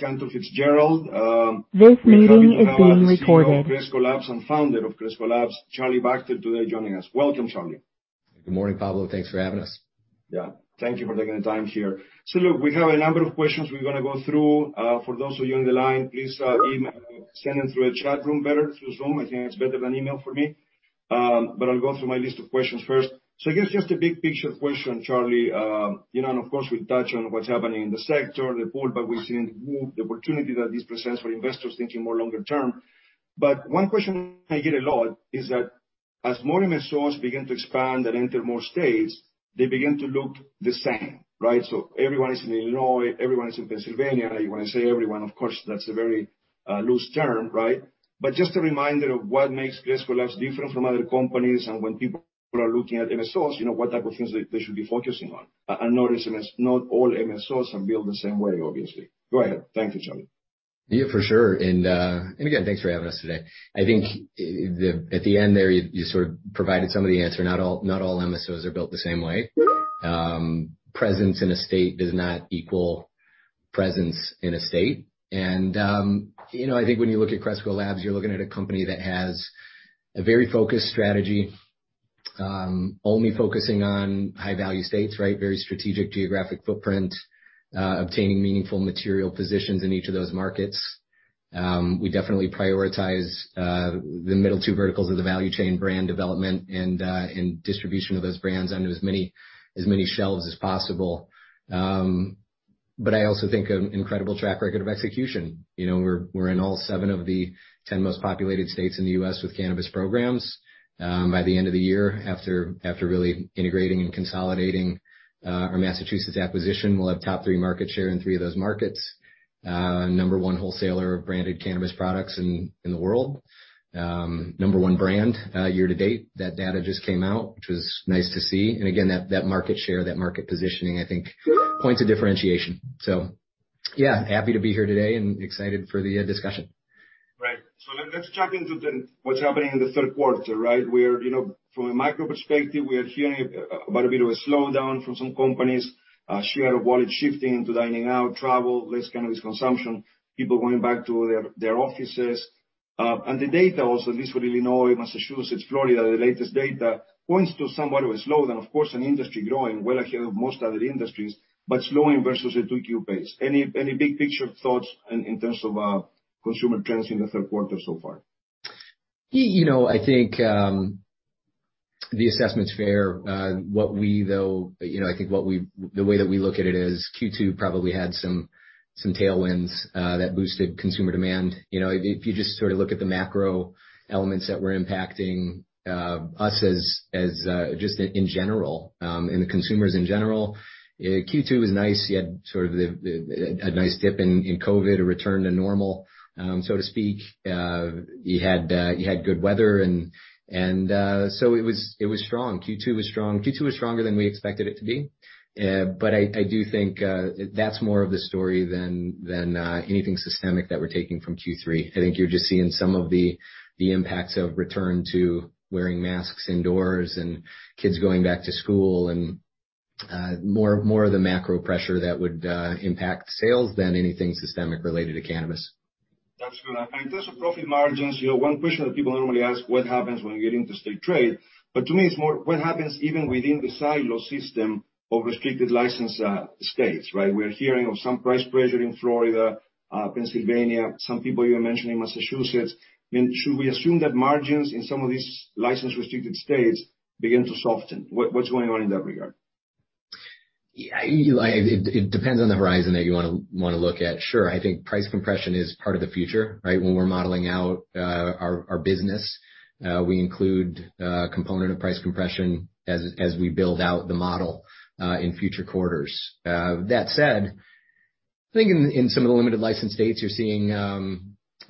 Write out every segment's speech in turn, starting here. At Cantor Fitzgerald. This meeting is being recorded. We have the CEO of Cresco Labs and founder of Cresco Labs, Charlie Bachtell, today joining us. Welcome, Charlie. Good morning, Pablo. Thanks for having us. Yeah, thank you for taking the time here. So look, we have a number of questions we're gonna go through. For those of you on the line, please email, send them through the chat room better, through Zoom. I think it's better than email for me, but I'll go through my list of questions first. So I guess just a big picture question, Charlie. You know, and of course, we'll touch on what's happening in the sector, abroad, but we've seen the opportunity that this presents for investors thinking more longer term. But one question I get a lot is that as more MSOs begin to expand and enter more states, they begin to look the same, right? So everyone is in Illinois, everyone is in Pennsylvania. When I say everyone, of course, that's a very loose term, right? But just a reminder of what makes Cresco Labs different from other companies, and when people are looking at MSOs, you know, what type of things they should be focusing on. I notice not all MSOs are built the same way, obviously. Go ahead. Thank you, Charlie. Yeah, for sure. And, and again, thanks for having us today. I think, at the end there, you sort of provided some of the answer. Not all, not all MSOs are built the same way. Presence in a state does not equal presence in a state. And, you know, I think when you look at Cresco Labs, you're looking at a company that has a very focused strategy, only focusing on high-value states, right? Very strategic geographic footprint, obtaining meaningful material positions in each of those markets. We definitely prioritize the middle two verticals of the value chain, brand development and, and distribution of those brands onto as many, as many shelves as possible. But I also think an incredible track record of execution. You know, we're in all seven of the ten most populated states in the U.S. with cannabis programs. By the end of the year, after really integrating and consolidating our Massachusetts acquisition, we'll have top three market share in three of those markets. Number one wholesaler of branded cannabis products in the world. Number one brand year to date. That data just came out, which was nice to see. And again, that market share, that market positioning, I think, points to differentiation. So yeah, happy to be here today and excited for the discussion. Right. So let's jump into what's happening in the third quarter, right? We're, you know, from a micro perspective, we are hearing about a bit of a slowdown from some companies, share of wallet shifting into dining out, travel, less cannabis consumption, people going back to their offices, and the data also, at least for Illinois, Massachusetts, Florida, the latest data points to somewhat of a slowdown. Of course, an industry growing well ahead of most other industries, but slowing versus a two-year pace. Any big picture thoughts in terms of consumer trends in the Q3 so far? You know, I think the assessment's fair. What we you know, I think what we, the way that we look at it is Q2 probably had some tailwinds that boosted consumer demand. You know, if you just sort of look at the macro elements that were impacting us as just in general and the consumers in general, Q2 was nice. You had sort of a nice dip in COVID, a return to normal, so to speak. You had good weather and so it was strong. Q2 was strong. Q2 was stronger than we expected it to be. But I do think that's more of the story than anything systemic that we're taking from Q3. I think you're just seeing some of the impacts of return to wearing masks indoors and kids going back to school, and more of the macro pressure that would impact sales than anything systemic related to cannabis. That's good. And in terms of profit margins, you know, one question that people normally ask, what happens when you get interstate trade? But to me, it's more what happens even within the silo system of restricted license states, right? We're hearing of some price pressure in Florida, Pennsylvania, some people even mentioning Massachusetts. And should we assume that margins in some of these license-restricted states begin to soften? What, what's going on in that regard? Yeah, it depends on the horizon that you wanna look at. Sure, I think price compression is part of the future, right? When we're modeling out our business, we include a component of price compression as we build out the model in future quarters. That said, I think in some of the limited license states, you're seeing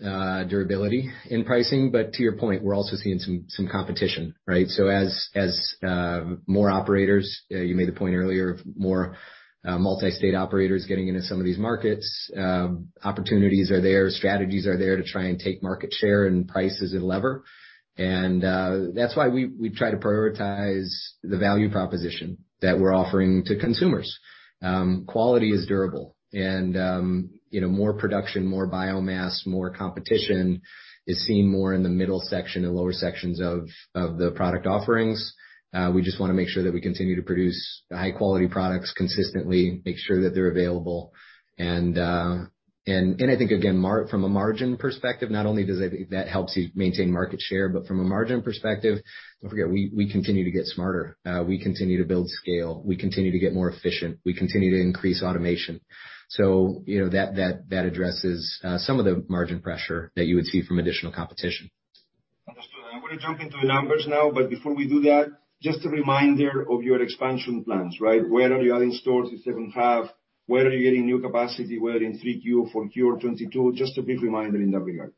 durability in pricing. But to your point, we're also seeing some competition, right? So as more operators, you made a point earlier, more multi-state operators getting into some of these markets, opportunities are there, strategies are there to try and take market share and price as a lever. And that's why we try to prioritize the value proposition that we're offering to consumers. Quality is durable and, you know, more production, more biomass, more competition is seen more in the middle section and lower sections of the product offerings. We just wanna make sure that we continue to produce high-quality products consistently, make sure that they're available. And I think, again, from a margin perspective, not only does that help you maintain market share, but from a margin perspective, don't forget, we continue to get smarter. We continue to build scale, we continue to get more efficient, we continue to increase automation. So you know, that addresses some of the margin pressure that you would see from additional competition. Understood. I'm gonna jump into the numbers now, but before we do that, just a reminder of your expansion plans, right? Where are you adding stores in second half? Where are you getting new capacity, whether in 3Q, 4Q, or 2022? Just a brief reminder in that regard.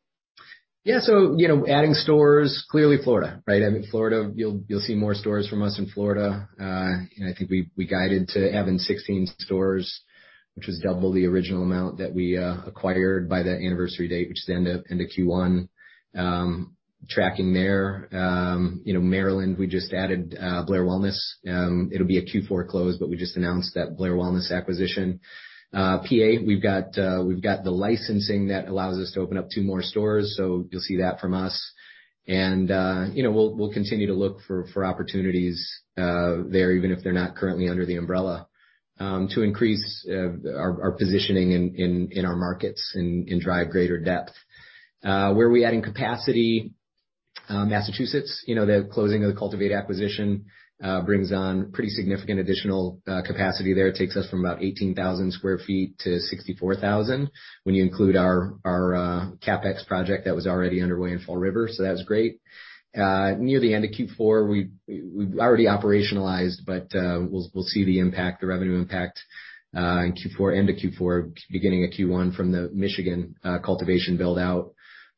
Yeah so, you know, adding stores, clearly Florida, right? I mean, Florida, you'll see more stores from us in Florida. And I think we guided to having sixteen stores, which was double the original amount that we acquired by that anniversary date, which is the end of Q1. Tracking there, you know, Maryland, we just added Blair Wellness. It'll be a Q4 close, but we just announced that Blair Wellness acquisition. PA, we've got the licensing that allows us to open up two more stores, so you'll see that from us. And, you know, we'll continue to look for opportunities there, even if they're not currently under the umbrella, to increase our positioning in our markets and drive greater depth. Where are we adding capacity? Massachusetts, you know, the closing of the Cultivate acquisition brings on pretty significant additional capacity there. It takes us from about 18,000 sq ft to 64,000 sq ft, when you include our CapEx project that was already underway in Fall River, so that was great. Near the end of Q4, we've already operationalized, but we'll see the impact, the revenue impact, in Q4, end of Q4, beginning of Q1, from the Michigan cultivation build-out.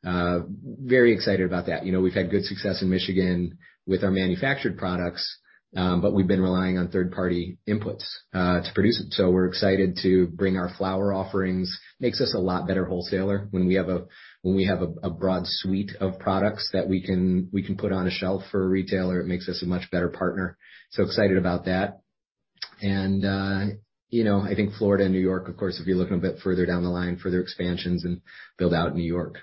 Very excited about that. You know, we've had good success in Michigan with our manufactured products, but we've been relying on third-party inputs to produce it. So we're excited to bring our flower offerings. Makes us a lot better wholesaler when we have a broad suite of products that we can put on a shelf for a retailer. It makes us a much better partner. So excited about that. And, you know, I think Florida and New York, of course, if you're looking a bit further down the line, further expansions and build out in New York.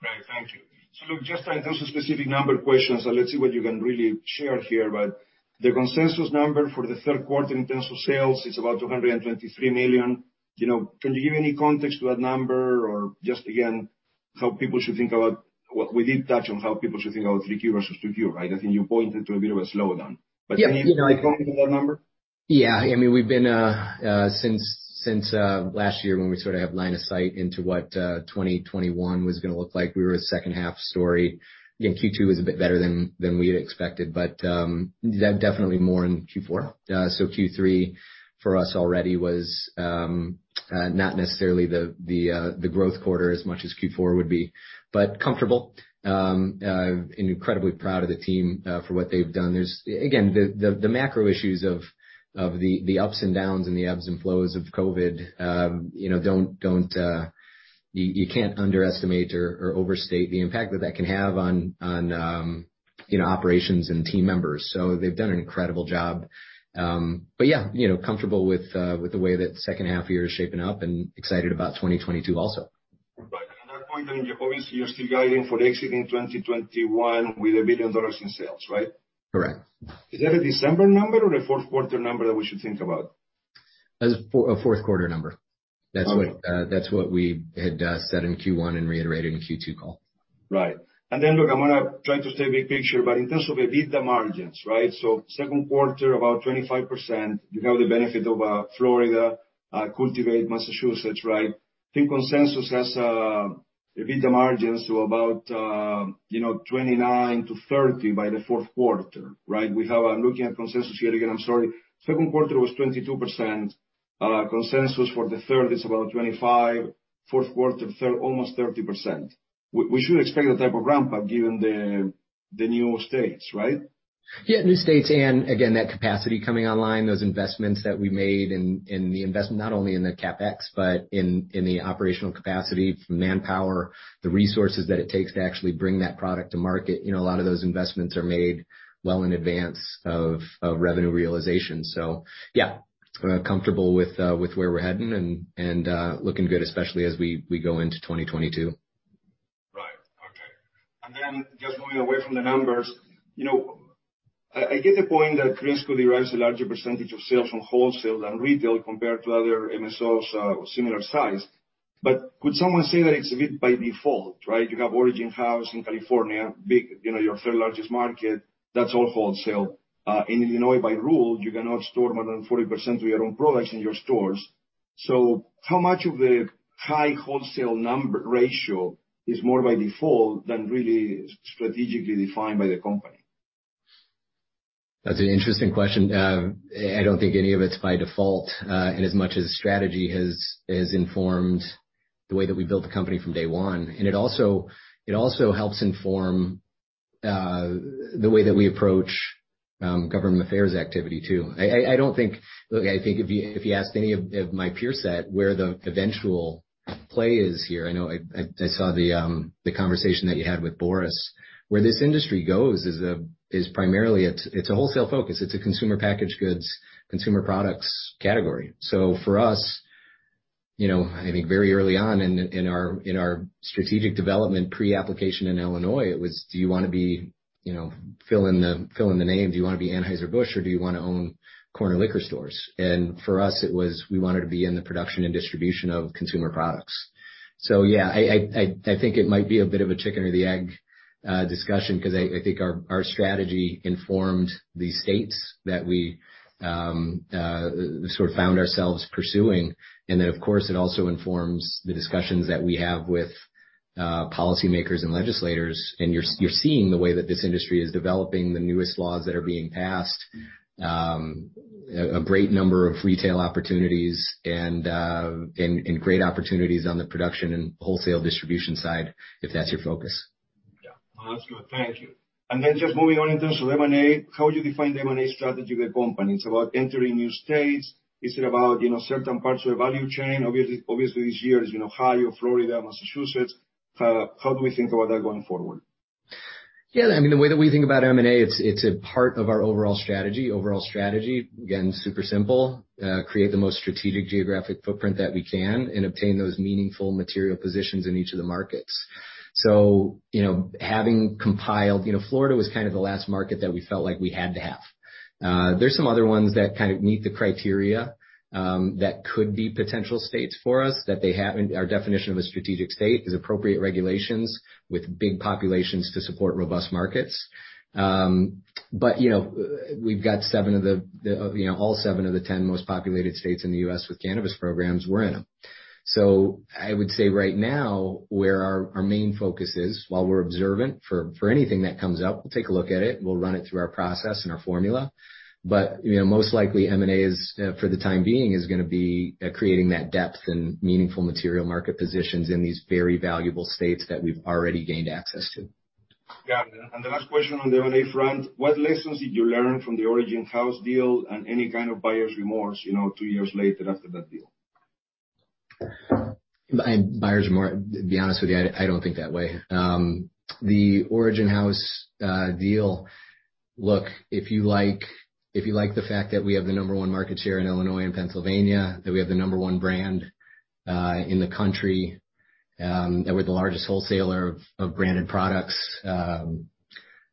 Great. Thank you. So look, just on those specific number questions, so let's see what you can really share here. But the consensus number for the third quarter in terms of sales is about $223 million. You know, can you give any context to that number, or just again, how people should think about... Well, we did touch on how people should think about 3Q versus 2Q, right? I think you pointed to a bit of a slowdown. Yeah, you know, But can you comment on that number? Yeah. I mean, we've been since last year when we sort of have line of sight into what twenty twenty-one was gonna look like, we were a second half story. Again, Q2 was a bit better than we had expected, but yeah, definitely more in Q4. So Q3 for us already was not necessarily the growth quarter as much as Q4 would be. But comfortable and incredibly proud of the team for what they've done. Again, the macro issues of the ups and downs and the ebbs and flows of COVID, you know, don't you can't underestimate or overstate the impact that that can have on you know, operations and team members. So they've done an incredible job. But yeah, you know, comfortable with the way that the second half of the year is shaping up, and excited about 2022 also. Right. Another point, in your case, you're still guiding for exiting 2021 with $1 billion in sales, right? Correct. Is that a December number or a fourth quarter number that we should think about? That's a fourth quarter number. Okay. That's what we had said in Q1 and reiterated in Q2 call. Right. And then, look, I'm gonna try to stay big picture, but in terms of EBITDA margins, right? So second quarter, about 25%, you have the benefit of Florida, Cultivate, Massachusetts, right? I think consensus has EBITDA margins to about, you know, 29%-30% by the fourth quarter, right? We have, I'm looking at consensus here again, I'm sorry. Second quarter was 22%. Consensus for the third is about 25%. Fourth quarter, almost 30%. We should expect that type of ramp-up, given the new states, right? Yeah, new states, and again, that capacity coming online, those investments that we made, and the investments not only in the CapEx, but in the operational capacity from manpower, the resources that it takes to actually bring that product to market. You know, a lot of those investments are made well in advance of revenue realization. So yeah, comfortable with where we're heading and looking good, especially as we go into 2022. Right. Okay. And then just moving away from the numbers, you know, I get the point that Cresco derives a larger percentage of sales from wholesale than retail, compared to other MSOs, similar size. But could someone say that it's a bit by default, right? You have Origin House in California, big, you know, your third largest market, that's all wholesale. In Illinois, by rule, you cannot store more than 40% of your own products in your stores. So how much of the high wholesale number ratio is more by default than really strategically defined by the company? That's an interesting question. I don't think any of it's by default, in as much as strategy has informed the way that we built the company from day one. And it also helps inform the way that we approach government affairs activity, too. I don't think. Look, I think if you asked any of my peer set where the eventual play is here, I know I saw the conversation that you had with Boris. Where this industry goes is primarily a wholesale focus. It's a consumer packaged goods, consumer products category. So for us, you know, I think very early on in our strategic development pre-application in Illinois, it was: Do you want to be, you know, fill in the name. Do you want to be Anheuser-Busch, or do you want to own corner liquor stores? And for us, it was, we wanted to be in the production and distribution of consumer products. So yeah, I think it might be a bit of a chicken or the egg discussion, 'cause I think our strategy informed the states that we sort of found ourselves pursuing. And then, of course, it also informs the discussions that we have with policymakers and legislators. And you're seeing the way that this industry is developing, the newest laws that are being passed, a great number of retail opportunities and great opportunities on the production and wholesale distribution side, if that's your focus. Yeah. Well, that's good. Thank you. And then just moving on in terms of M&A, how would you define the M&A strategy of the company? It's about entering new states. Is it about, you know, certain parts of the value chain? Obviously, obviously, this year is, you know, Ohio, Florida, Massachusetts. How do we think about that going forward?... Yeah, I mean, the way that we think about M&A, it's a part of our overall strategy. Overall strategy, again, super simple, create the most strategic geographic footprint that we can and obtain those meaningful material positions in each of the markets. So, you know, having compiled, you know, Florida was kind of the last market that we felt like we had to have. There's some other ones that kind of meet the criteria that could be potential states for us. Our definition of a strategic state is appropriate regulations with big populations to support robust markets. But, you know, we've got seven of the, you know, all seven of the ten most populated states in the U.S. with cannabis programs, we're in them. So I would say right now, where our main focus is, while we're observant for anything that comes up, we'll take a look at it, we'll run it through our process and our formula. But, you know, most likely M&A is, for the time being, gonna be creating that depth and meaningful material market positions in these very valuable states that we've already gained access to. Got it. And the last question on the M&A front, what lessons did you learn from the Origin House deal, and any kind of buyer's remorse, you know, two years later after that deal? Buyer's remorse, to be honest with you, I don't think that way. The Origin House deal. Look, if you like the fact that we have the number one market share in Illinois and Pennsylvania, that we have the number one brand in the country, that we're the largest wholesaler of branded products,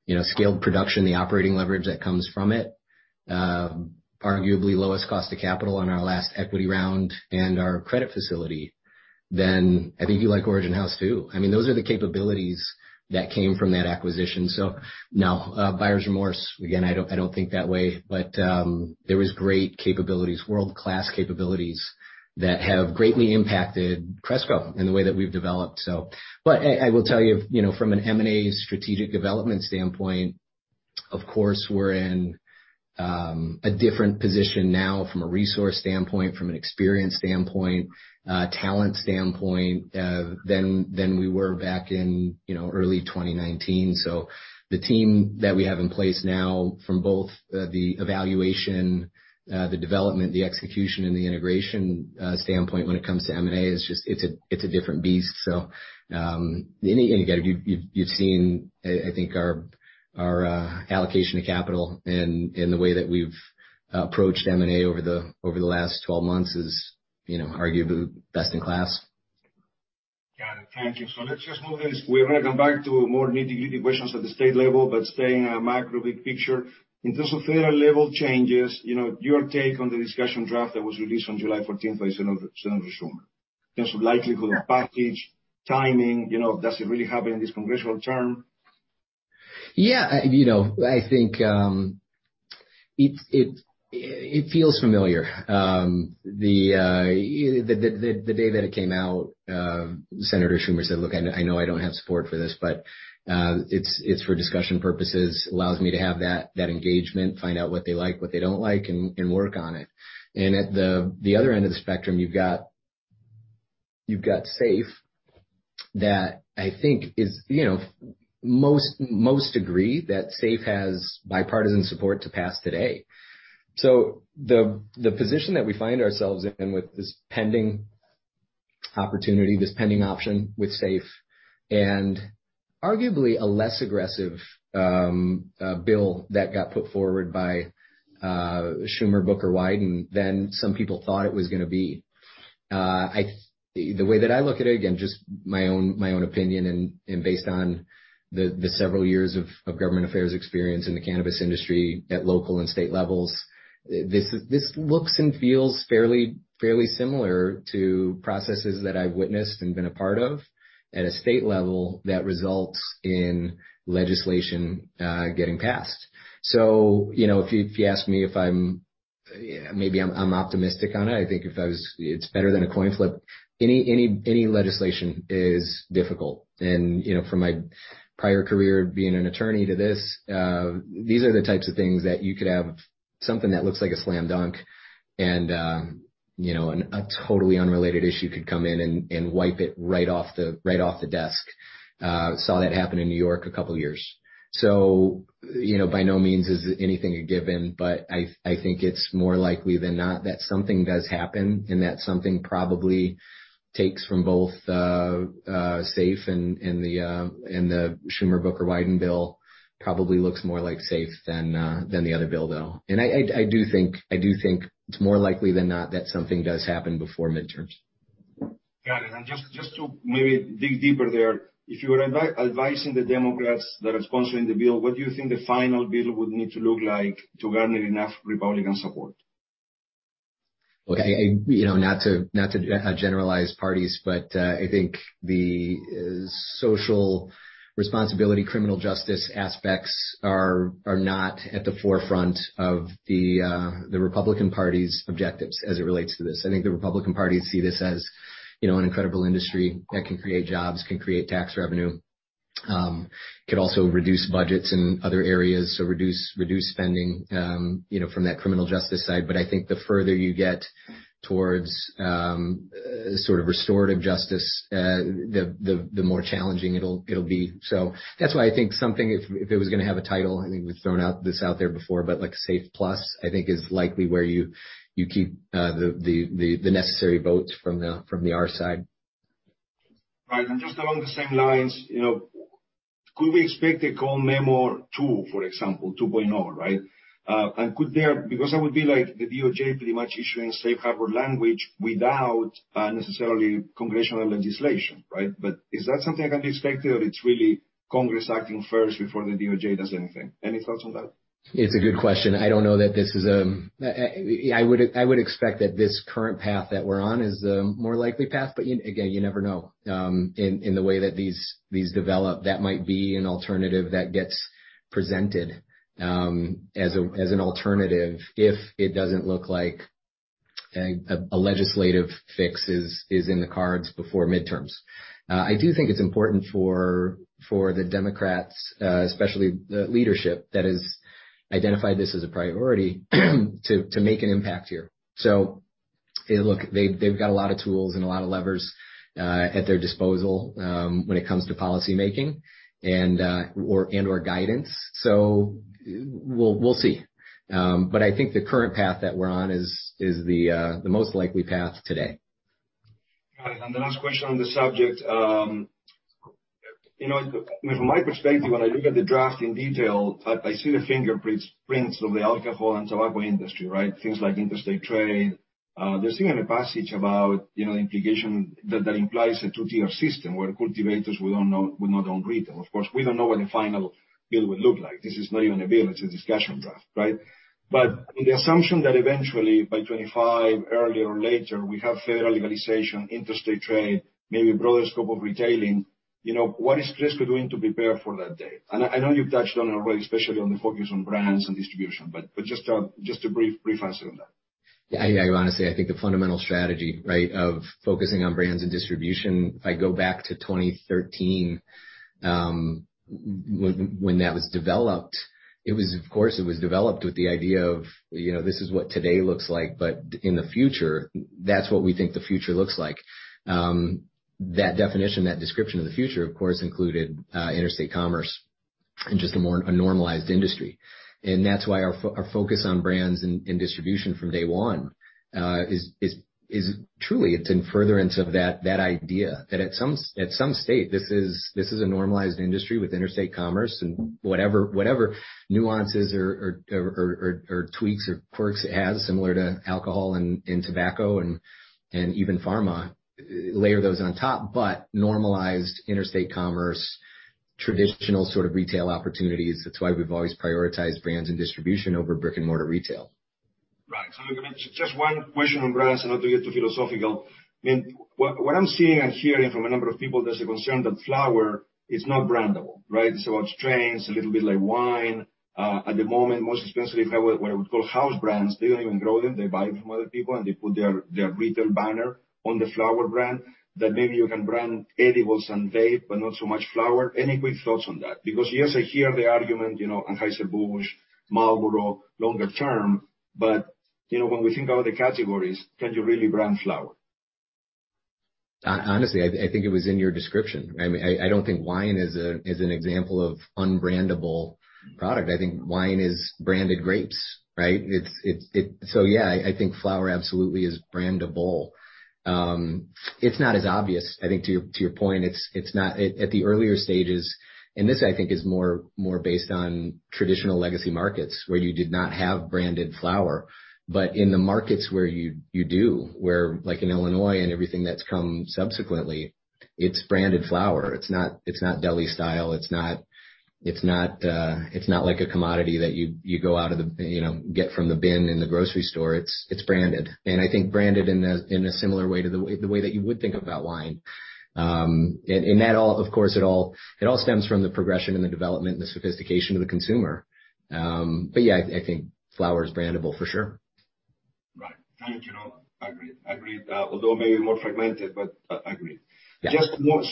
you know, scaled production, the operating leverage that comes from it, arguably lowest cost of capital on our last equity round and our credit facility, then I think you like Origin House, too. I mean, those are the capabilities that came from that acquisition. So no, buyer's remorse, again, I don't think that way. But there was great capabilities, world-class capabilities, that have greatly impacted Cresco in the way that we've developed, so. But I will tell you, you know, from an M&A strategic development standpoint, of course, we're in a different position now from a resource standpoint, from an experience standpoint, talent standpoint, than we were back in, you know, early 2019. So the team that we have in place now, from both the evaluation, the development, the execution, and the integration standpoint when it comes to M&A, is just it's a different beast. So, and again, you've seen, I think our allocation of capital in the way that we've approached M&A over the last 12 months is, you know, arguably best in class. Got it. Thank you. So let's just move this. We're gonna come back to more nitty-gritty questions at the state level, but staying on a macro, big picture. In terms of federal level changes, you know, your take on the discussion draft that was released on July fourteenth by Senator Schumer, in terms of likelihood of package, timing, you know, does it really happen in this congressional term? Yeah, you know, I think, it feels familiar. The day that it came out, Senator Schumer said: "Look, I know I don't have support for this, but, it's for discussion purposes, allows me to have that engagement, find out what they like, what they don't like, and work on it." And at the other end of the spectrum, you've got SAFE, that I think is, you know, most agree that SAFE has bipartisan support to pass today. So the position that we find ourselves in with this pending opportunity, this pending option with SAFE, and arguably a less aggressive bill that got put forward by Schumer, Booker, Wyden, than some people thought it was gonna be. The way that I look at it, again, just my own opinion, and based on the several years of government affairs experience in the cannabis industry at local and state levels, this looks and feels fairly similar to processes that I've witnessed and been a part of at a state level that results in legislation getting passed. You know, if you ask me, I'm optimistic on it. I think if I was... It's better than a coin flip. Any legislation is difficult. You know, from my prior career being an attorney to this, these are the types of things that you could have something that looks like a slam dunk and, you know, and a totally unrelated issue could come in and wipe it right off the desk. Saw that happen in New York a couple years. So, you know, by no means is anything a given, but I think it's more likely than not that something does happen, and that something probably takes from both SAFE and the Schumer, Booker, Wyden bill. Probably looks more like SAFE than the other bill, though. I do think it's more likely than not that something does happen before midterms. Got it. And just to maybe dig deeper there, if you were advising the Democrats that are sponsoring the bill, what do you think the final bill would need to look like to garner enough Republican support? Well, I you know, not to generalize parties, but I think the social responsibility, criminal justice aspects are not at the forefront of the Republican Party's objectives as it relates to this. I think the Republican Party see this as, you know, an incredible industry that can create jobs, can create tax revenue, could also reduce budgets in other areas, so reduce spending, you know, from that criminal justice side. But I think the further you get towards sort of restorative justice, the more challenging it'll be. So that's why I think something, if it was gonna have a title, I think we've thrown this out there before, but like SAFE Plus, I think is likely where you keep the necessary votes from the R side.... Right, and just along the same lines, you know, could we expect a Cole Memo 2.0, for example, right? And could there be, because that would be like the DOJ pretty much issuing safe harbor language without necessarily congressional legislation, right? But is that something that can be expected, or it's really Congress acting first before the DOJ does anything? Any thoughts on that? It's a good question. I don't know that this is. I would expect that this current path that we're on is the more likely path, but again, you never know, in the way that these develop. That might be an alternative that gets presented, as an alternative if it doesn't look like a legislative fix is in the cards before midterms. I do think it's important for the Democrats, especially the leadership, that has identified this as a priority, to make an impact here. So look, they've got a lot of tools and a lot of levers at their disposal, when it comes to policymaking and, or, and/or guidance. So we'll see. But I think the current path that we're on is the most likely path today. Got it. And the last question on the subject, you know, from my perspective, when I look at the draft in detail, I see the fingerprints of the alcohol and tobacco industry, right? Things like interstate trade. There's even a passage about, you know, integration that implies a two-tier system, where cultivators will not own retail. Of course, we don't know what the final bill would look like. This is not even a bill, it's a discussion draft, right? But in the assumption that eventually, by twenty-five, earlier or later, we have federal legalization, interstate trade, maybe a broader scope of retailing, you know, what is Cresco doing to prepare for that day? And I know you've touched on it already, especially on the focus on brands and distribution, but just a brief answer on that. Yeah, I mean, honestly, I think the fundamental strategy, right, of focusing on brands and distribution. If I go back to 2013, when that was developed, it was of course, it was developed with the idea of, you know, this is what today looks like, but in the future, that's what we think the future looks like. That definition, that description of the future, of course, included interstate commerce and just a more, a normalized industry. And that's why our focus on brands and distribution from day one is truly in furtherance of that idea that at some state this is a normalized industry with interstate commerce and whatever nuances or tweaks or quirks it has, similar to alcohol and tobacco and even pharma, layer those on top, but normalized interstate commerce, traditional sort of retail opportunities. That's why we've always prioritized brands and distribution over brick-and-mortar retail. Right. So just one question on brands and not to get too philosophical. I mean, what I'm seeing and hearing from a number of people, there's a concern that flower is not brandable, right? It's about strains, a little bit like wine. At the moment, most, especially if I what I would call house brands, they don't even grow them. They buy from other people, and they put their retail banner on the flower brand, that maybe you can brand edibles and vape, but not so much flower. Any quick thoughts on that? Because, yes, I hear the argument, you know, Anheuser-Busch, Marlboro, longer term, but, you know, when we think about the categories, can you really brand flower? Honestly, I think it was in your description. I mean, I don't think wine is an example of unbrandable product. I think wine is branded grapes, right? It's so yeah, I think flower absolutely is brandable. It's not as obvious, I think, to your point, it's not. At the earlier stages, and this, I think, is more based on traditional legacy markets, where you did not have branded flower. But in the markets where you do, where, like in Illinois and everything that's come subsequently, it's branded flower. It's not deli style, it's not like a commodity that you go out of the, you know, get from the bin in the grocery store. It's branded, and I think branded in a similar way to the way that you would think about wine, and that all, of course, it all stems from the progression and the development and the sophistication of the consumer, but yeah, I think flower is brandable for sure. Right. Thank you. I agree. I agree. Although it may be more fragmented, but I agree. Yeah. Just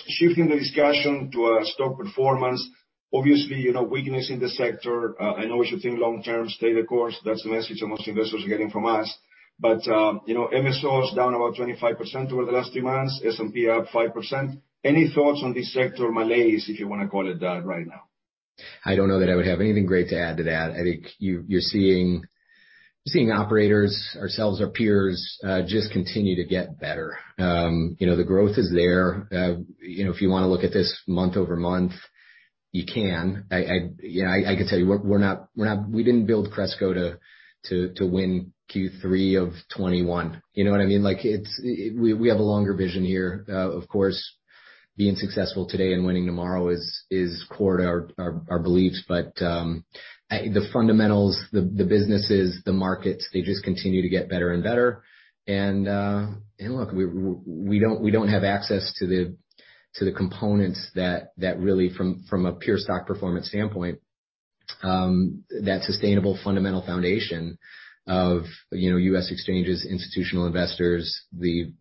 shifting the discussion to stock performance. Obviously, you know, weakness in the sector. I know we should think long term, stay the course. That's the message most investors are getting from us. But, you know, MSO is down about 25% over the last three months, S&P up 5%. Any thoughts on the sector malaise, if you want to call it that right now? I don't know that I would have anything great to add to that. I think you're seeing operators, ourselves, our peers, just continue to get better. You know, the growth is there. You know, if you want to look at this month over month, you can. You know, I can tell you, we're not. We're not. We didn't build Cresco to win Q3 of 2021. You know what I mean? Like, it's. We have a longer vision here. Of course, being successful today and winning tomorrow is core to our beliefs, but the fundamentals, the businesses, the markets, they just continue to get better and better. Look, we don't have access to the components that really, from a pure stock performance standpoint, that sustainable fundamental foundation of, you know, US exchanges, institutional investors, the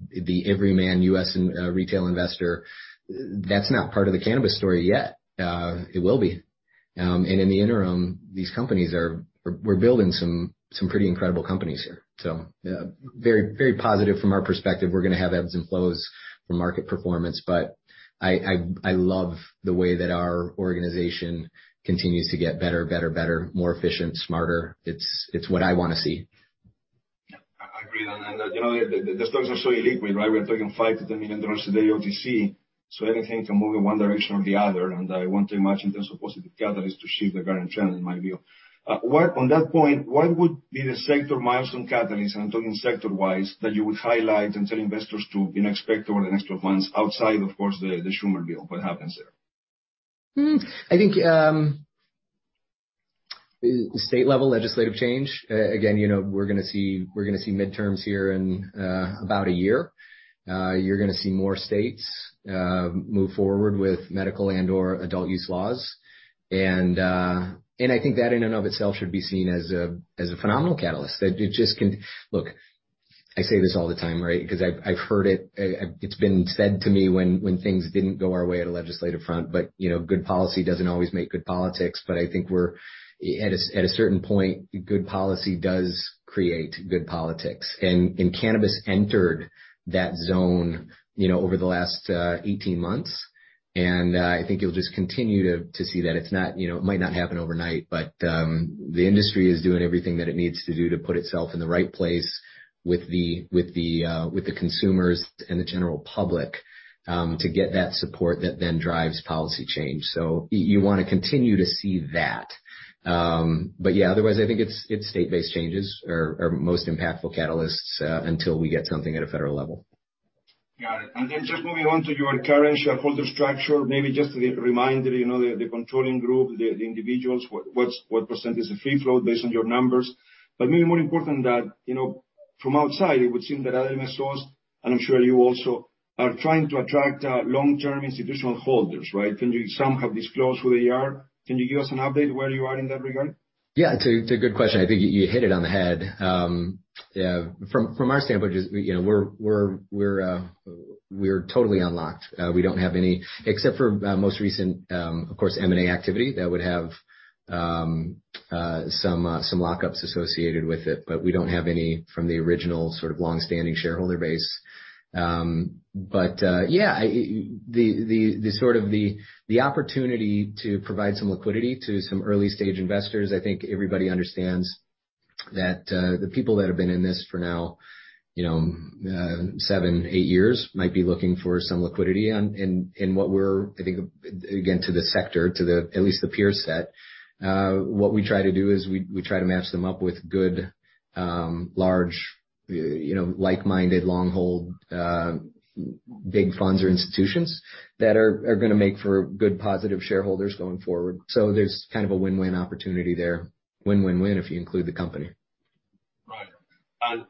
everyman U.S. retail investor. That's not part of the cannabis story yet. It will be. In the interim, we're building some pretty incredible companies here. So, very positive from our perspective. We're going to have ebbs and flows from market performance, but I love the way that our organization continues to get better, more efficient, smarter. It's what I want to see. Yeah, I agree. And you know, the stocks are so illiquid, right? We're talking $5 million-$10 million a day OTC, so anything can move in one direction or the other, and I don't imagine in terms of positive catalyst to shift the current trend, in my view. On that point, what would be the sector milestone catalyst, and I'm talking sector-wise, that you would highlight and tell investors to, you know, expect over the next 12 months, outside, of course, the Schumer bill, what happens there? I think the state level legislative change, again, you know, we're gonna see midterms here in about a year. You're gonna see more states move forward with medical and/or adult use laws. And I think that, in and of itself, should be seen as a phenomenal catalyst that it just can. Look, I say this all the time, right? Because I've heard it, it's been said to me, when things didn't go our way at a legislative front, but you know, good policy doesn't always make good politics. But I think we're at a certain point, good policy does create good politics. And cannabis entered that zone, you know, over the last 18 months. And I think you'll just continue to see that. It'o not, you know, it might not happen overnight, but the industry is doing everything that it needs to do to put itself in the right place with the consumers and the general public to get that support that then drives policy change, so you wanna continue to see that, but yeah, otherwise, I think it's state-based changes are most impactful catalysts until we get something at a federal level. Got it. And then just moving on to your current shareholder structure, maybe just a reminder, you know, the controlling group, the individuals, what percent is the free float based on your numbers? But maybe more important that, you know, from outside, it would seem that other investors, and I'm sure you also, are trying to attract long-term institutional holders, right? Can you somehow disclose who they are? Can you give us an update where you are in that regard? Yeah, it's a good question. I think you hit it on the head. Yeah, from our standpoint, just, you know, we're totally unlocked. We don't have any... Except for most recent, of course, M&A activity, that would have some lockups associated with it, but we don't have any from the original, sort of, long-standing shareholder base. But yeah, the sort of opportunity to provide some liquidity to some early stage investors, I think everybody understands that, the people that have been in this for now, you know, seven, eight years, might be looking for some liquidity. What we're, I think, again to the sector, at least the peer set, what we try to do is we try to match them up with good, large, you know, like-minded, long-hold, big funds or institutions that are gonna make for good, positive shareholders going forward. There's kind of a win-win opportunity there. Win, win, win, if you include the company. Right. And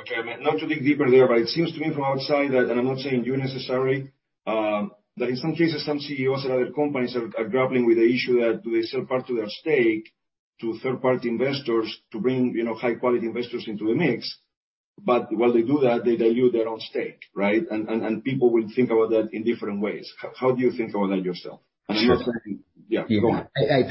okay, I mean, not to dig deeper there, but it seems to me from outside that, and I'm not saying you necessarily, that in some cases, some CEOs and other companies are grappling with the issue that do they sell part of their stake to third-party investors to bring, you know, high quality investors into the mix. But while they do that, they dilute their own stake, right? And people will think about that in different ways. How do you think about that yourself? Sure. And I'm not saying... Yeah, go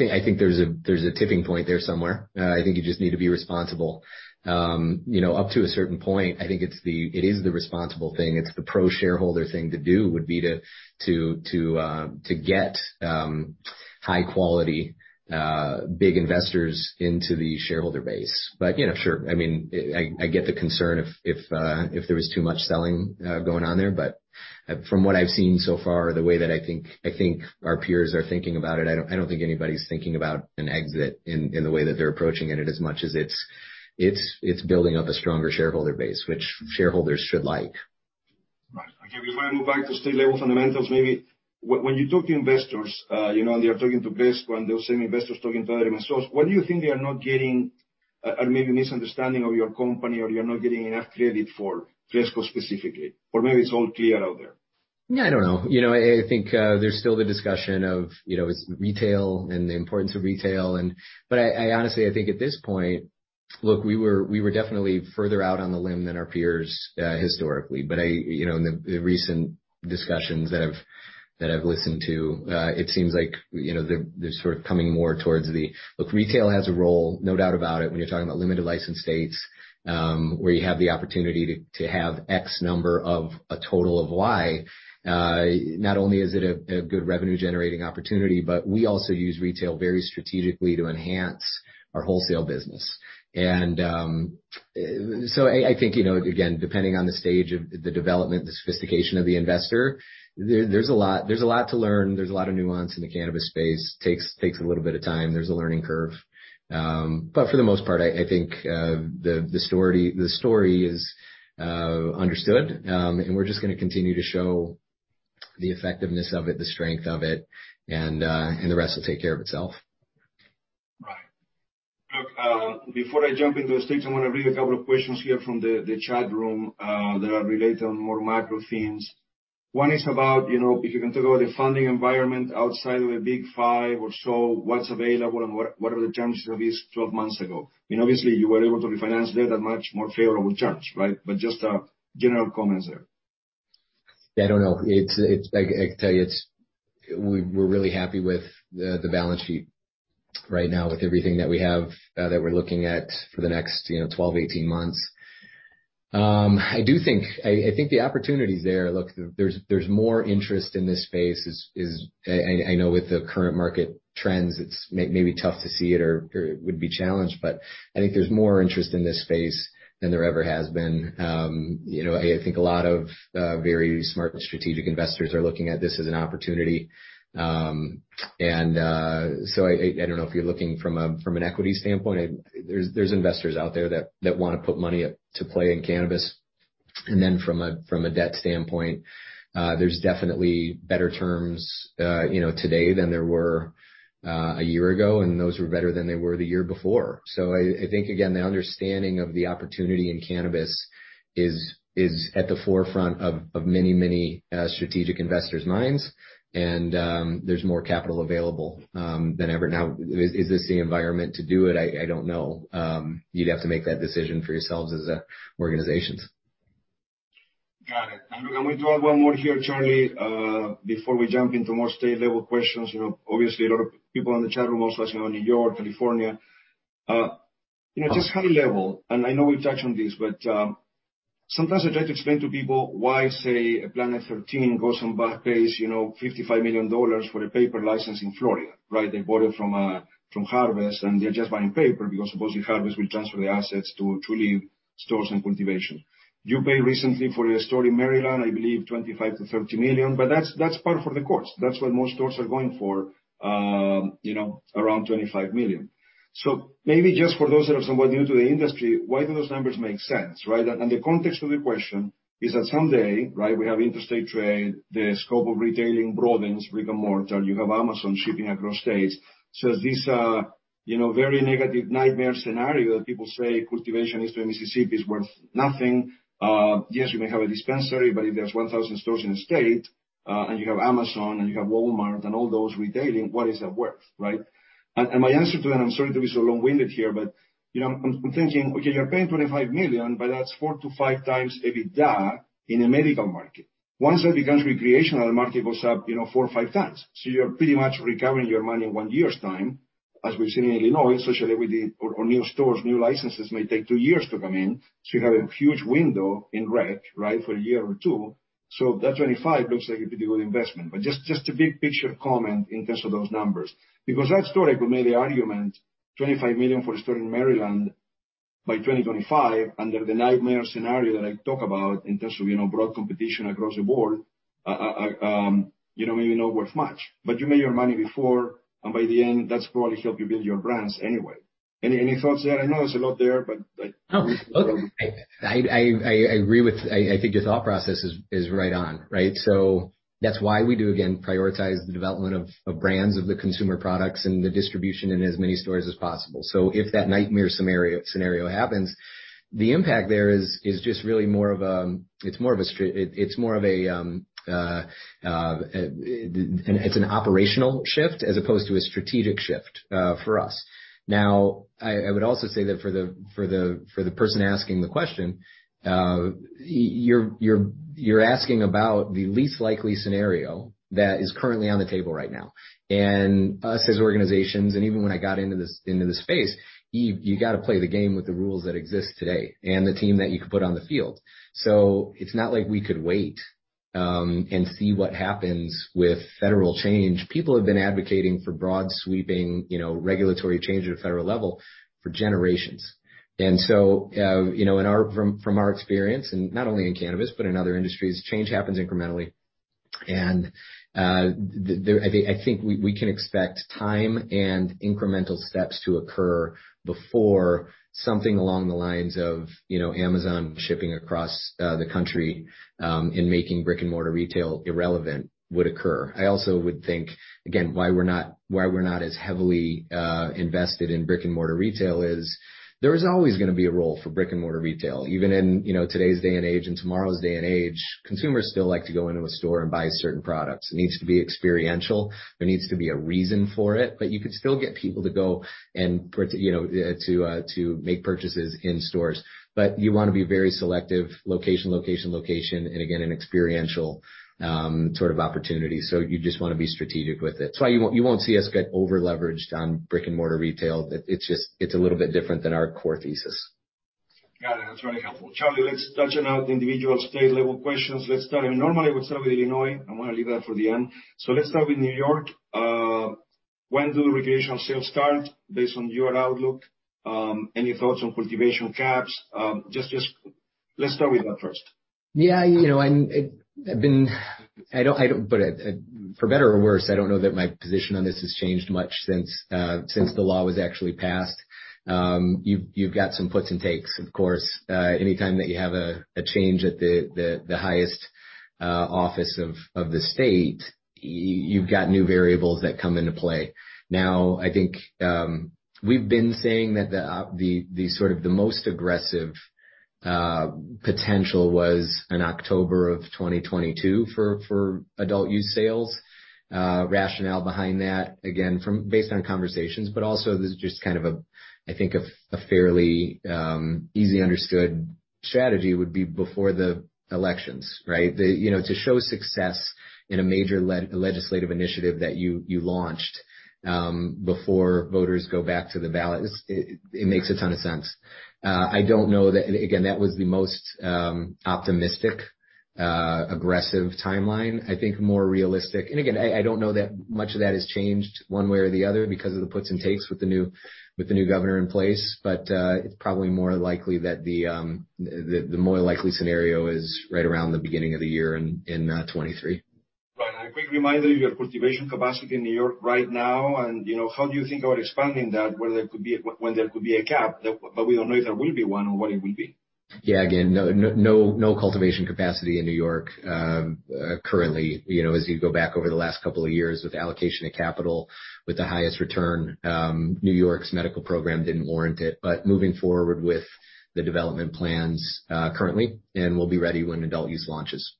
ahead. I think there's a tipping point there somewhere. I think you just need to be responsible. You know, up to a certain point, I think it's the responsible thing, it is the pro-shareholder thing to do, would be to get high quality big investors into the shareholder base. But, you know, sure, I mean, I get the concern if there was too much selling going on there. But from what I've seen so far, the way that I think our peers are thinking about it, I don't think anybody's thinking about an exit in the way that they're approaching it, as much as it's building up a stronger shareholder base, which shareholders should like. Right. Again, if I move back to state level fundamentals, maybe when you talk to investors, you know, and they are talking to Cresco, and those same investors talking to other investors, what do you think they are not getting, or maybe misunderstanding of your company, or you're not getting enough credit for Cresco specifically? Or maybe it's all clear out there. Yeah, I don't know. You know, I think there's still the discussion of, you know, it's retail and the importance of retail, and. But I honestly, I think at this point, look, we were definitely further out on the limb than our peers, historically. But I, you know, in the recent discussions that I've listened to, it seems like, you know, they're sort of coming more towards the. Look, retail has a role, no doubt about it, when you're talking about limited license states, where you have the opportunity to have X number of a total of Y. Not only is it a good revenue generating opportunity, but we also use retail very strategically to enhance our wholesale business. I think, you know, again, depending on the stage of the development, the sophistication of the investor, there's a lot to learn. There's a lot of nuance in the cannabis space. Takes a little bit of time. There's a learning curve. But for the most part, I think the story is understood. And we're just gonna continue to show the effectiveness of it, the strength of it, and the rest will take care of itself. Right. Look, before I jump into the states, I want to read a couple of questions here from the chat room that are related on more macro themes. One is about, you know, if you can talk about the funding environment outside of the Big Five or so, what's available, and what are the terms released twelve months ago? You know, obviously, you were able to refinance debt at much more favorable terms, right? But just general comments there. I don't know. I can tell you, we're really happy with the balance sheet right now, with everything that we have, that we're looking at for the next, you know, 12, 18 months. I do think the opportunity is there. Look, there's more interest in this space. I know with the current market trends, it's maybe tough to see it or it would be challenged, but I think there's more interest in this space than there ever has been. You know, I think a lot of very smart strategic investors are looking at this as an opportunity. And so I don't know if you're looking from an equity standpoint, there's investors out there that wanna put money up to play in cannabis. And then from a debt standpoint, there's definitely better terms, you know, today, than there were a year ago, and those were better than they were the year before. So I think, again, the understanding of the opportunity in cannabis is at the forefront of many strategic investors' minds, and there's more capital available than ever. Now, is this the environment to do it? I don't know. You'd have to make that decision for yourselves as organizations. Got it. And can we do one more here, Charlie, before we jump into more state-level questions? You know, obviously, a lot of people on the chat room, also, you know, New York, California. You know, just high level, and I know we've touched on this, but, sometimes I try to explain to people why, say, a Planet 13 goes and buys, you know, $55 million for a paper license in Florida, right? They bought it from, from Harvest, and they're just buying paper, because supposedly Harvest will transfer the assets to Trulieve stores and cultivation. You paid recently for a store in Maryland, I believe $25 million-$30 million, but that's, that's par for the course. That's what most stores are going for, you know, around $25 million. So maybe just for those that are somewhat new to the industry, why do those numbers make sense, right? And the context of the question is that someday, right, we have interstate trade, the scope of retailing broadens, brick-and-mortar, you have Amazon shipping across states. So this, you know, very negative nightmare scenario, people say, cultivation east of the Mississippi is worth nothing. Yes, you may have a dispensary, but if there's 1,000 stores in the state, and you have Amazon, and you have Walmart, and all those retailing, what is that worth, right? And my answer to that, I'm sorry to be so long-winded here, but, you know, I'm thinking, okay, you're paying $25 million, but that's four to five times EBITDA in a medical market. Once that becomes recreational, the market goes up, you know, four or five times. So you're pretty much recovering your money in one year's time, as we've seen in Illinois, especially with new stores, new licenses may take two years to come in, so you have a huge window in rec, right, for a year or two. So that $25 million looks like a pretty good investment. But just a big picture comment in terms of those numbers, because that store, I could make the argument, $25 million for a store in Maryland by 2025, under the nightmare scenario that I talk about in terms of, you know, broad competition across the board, you know, maybe not worth much. But you made your money before, and by the end, that's probably helped you build your brands anyway. Any thoughts there? I know it's a lot there, but like- Oh, look, I agree with... I think your thought process is right on, right? So that's why we do, again, prioritize the development of brands of the consumer products and the distribution in as many stores as possible. So if that nightmare scenario happens, the impact there is just really more of, it's more of a, it's an operational shift as opposed to a strategic shift, for us. Now, I would also say that for the person asking the question, you're asking about the least likely scenario that is currently on the table right now. Us, as organizations, and even when I got into this, into the space, you got to play the game with the rules that exist today and the team that you can put on the field. It's not like we could wait and see what happens with federal change. People have been advocating for broad, sweeping, you know, regulatory change at a federal level for generations. From our experience, and not only in cannabis, but in other industries, change happens incrementally. We can expect time and incremental steps to occur before something along the lines of, you know, Amazon shipping across the country and making brick-and-mortar retail irrelevant would occur. I also would think, again, why we're not as heavily invested in brick-and-mortar retail is there is always gonna be a role for brick-and-mortar retail, even in, you know, today's day and age and tomorrow's day and age, consumers still like to go into a store and buy certain products. It needs to be experiential. There needs to be a reason for it, but you could still get people to go and, you know, to make purchases in stores. But you want to be very selective, location, location, location, and again, an experiential sort of opportunity. So you just want to be strategic with it. That's why you won't see us get overleveraged on brick-and-mortar retail. It's just, it's a little bit different than our core thesis. Got it. That's really helpful. Charlie, let's touch on individual state-level questions. Let's start, normally, we'll start with Illinois. I want to leave that for the end. So let's start with New York. When do the recreational sales start, based on your outlook? Any thoughts on cultivation caps? Just, let's start with that first. Yeah, you know, and I've been... I don't, but, for better or worse, I don't know that my position on this has changed much since, since the law was actually passed. You've, you've got some puts and takes, of course. Anytime that you have a change at the highest office of the state, you've got new variables that come into play. Now, I think, we've been saying that the sort of the most aggressive potential was in October of 2022 for adult use sales. Rationale behind that, again, from based on conversations, but also there's just kind of a, I think, a fairly easy understood strategy would be before the elections, right? You know, to show success in a major legislative initiative that you launched before voters go back to the ballot, it makes a ton of sense. I don't know that. Again, that was the most optimistic, aggressive timeline. I think more realistic. And again, I don't know that much of that has changed one way or the other because of the puts and takes with the new governor in place. But, it's probably more likely that the more likely scenario is right around the beginning of the year in 2023. Right. A quick reminder, your cultivation capacity in New York right now, and, you know, how do you think about expanding that, when there could be a cap, but we don't know if there will be one or what it will be? Yeah, again, no, no, no, no cultivation capacity in New York, currently. You know, as you go back over the last couple of years with allocation of capital, with the highest return, New York's medical program didn't warrant it. But moving forward with the development plans, currently, and we'll be ready when adult use launches.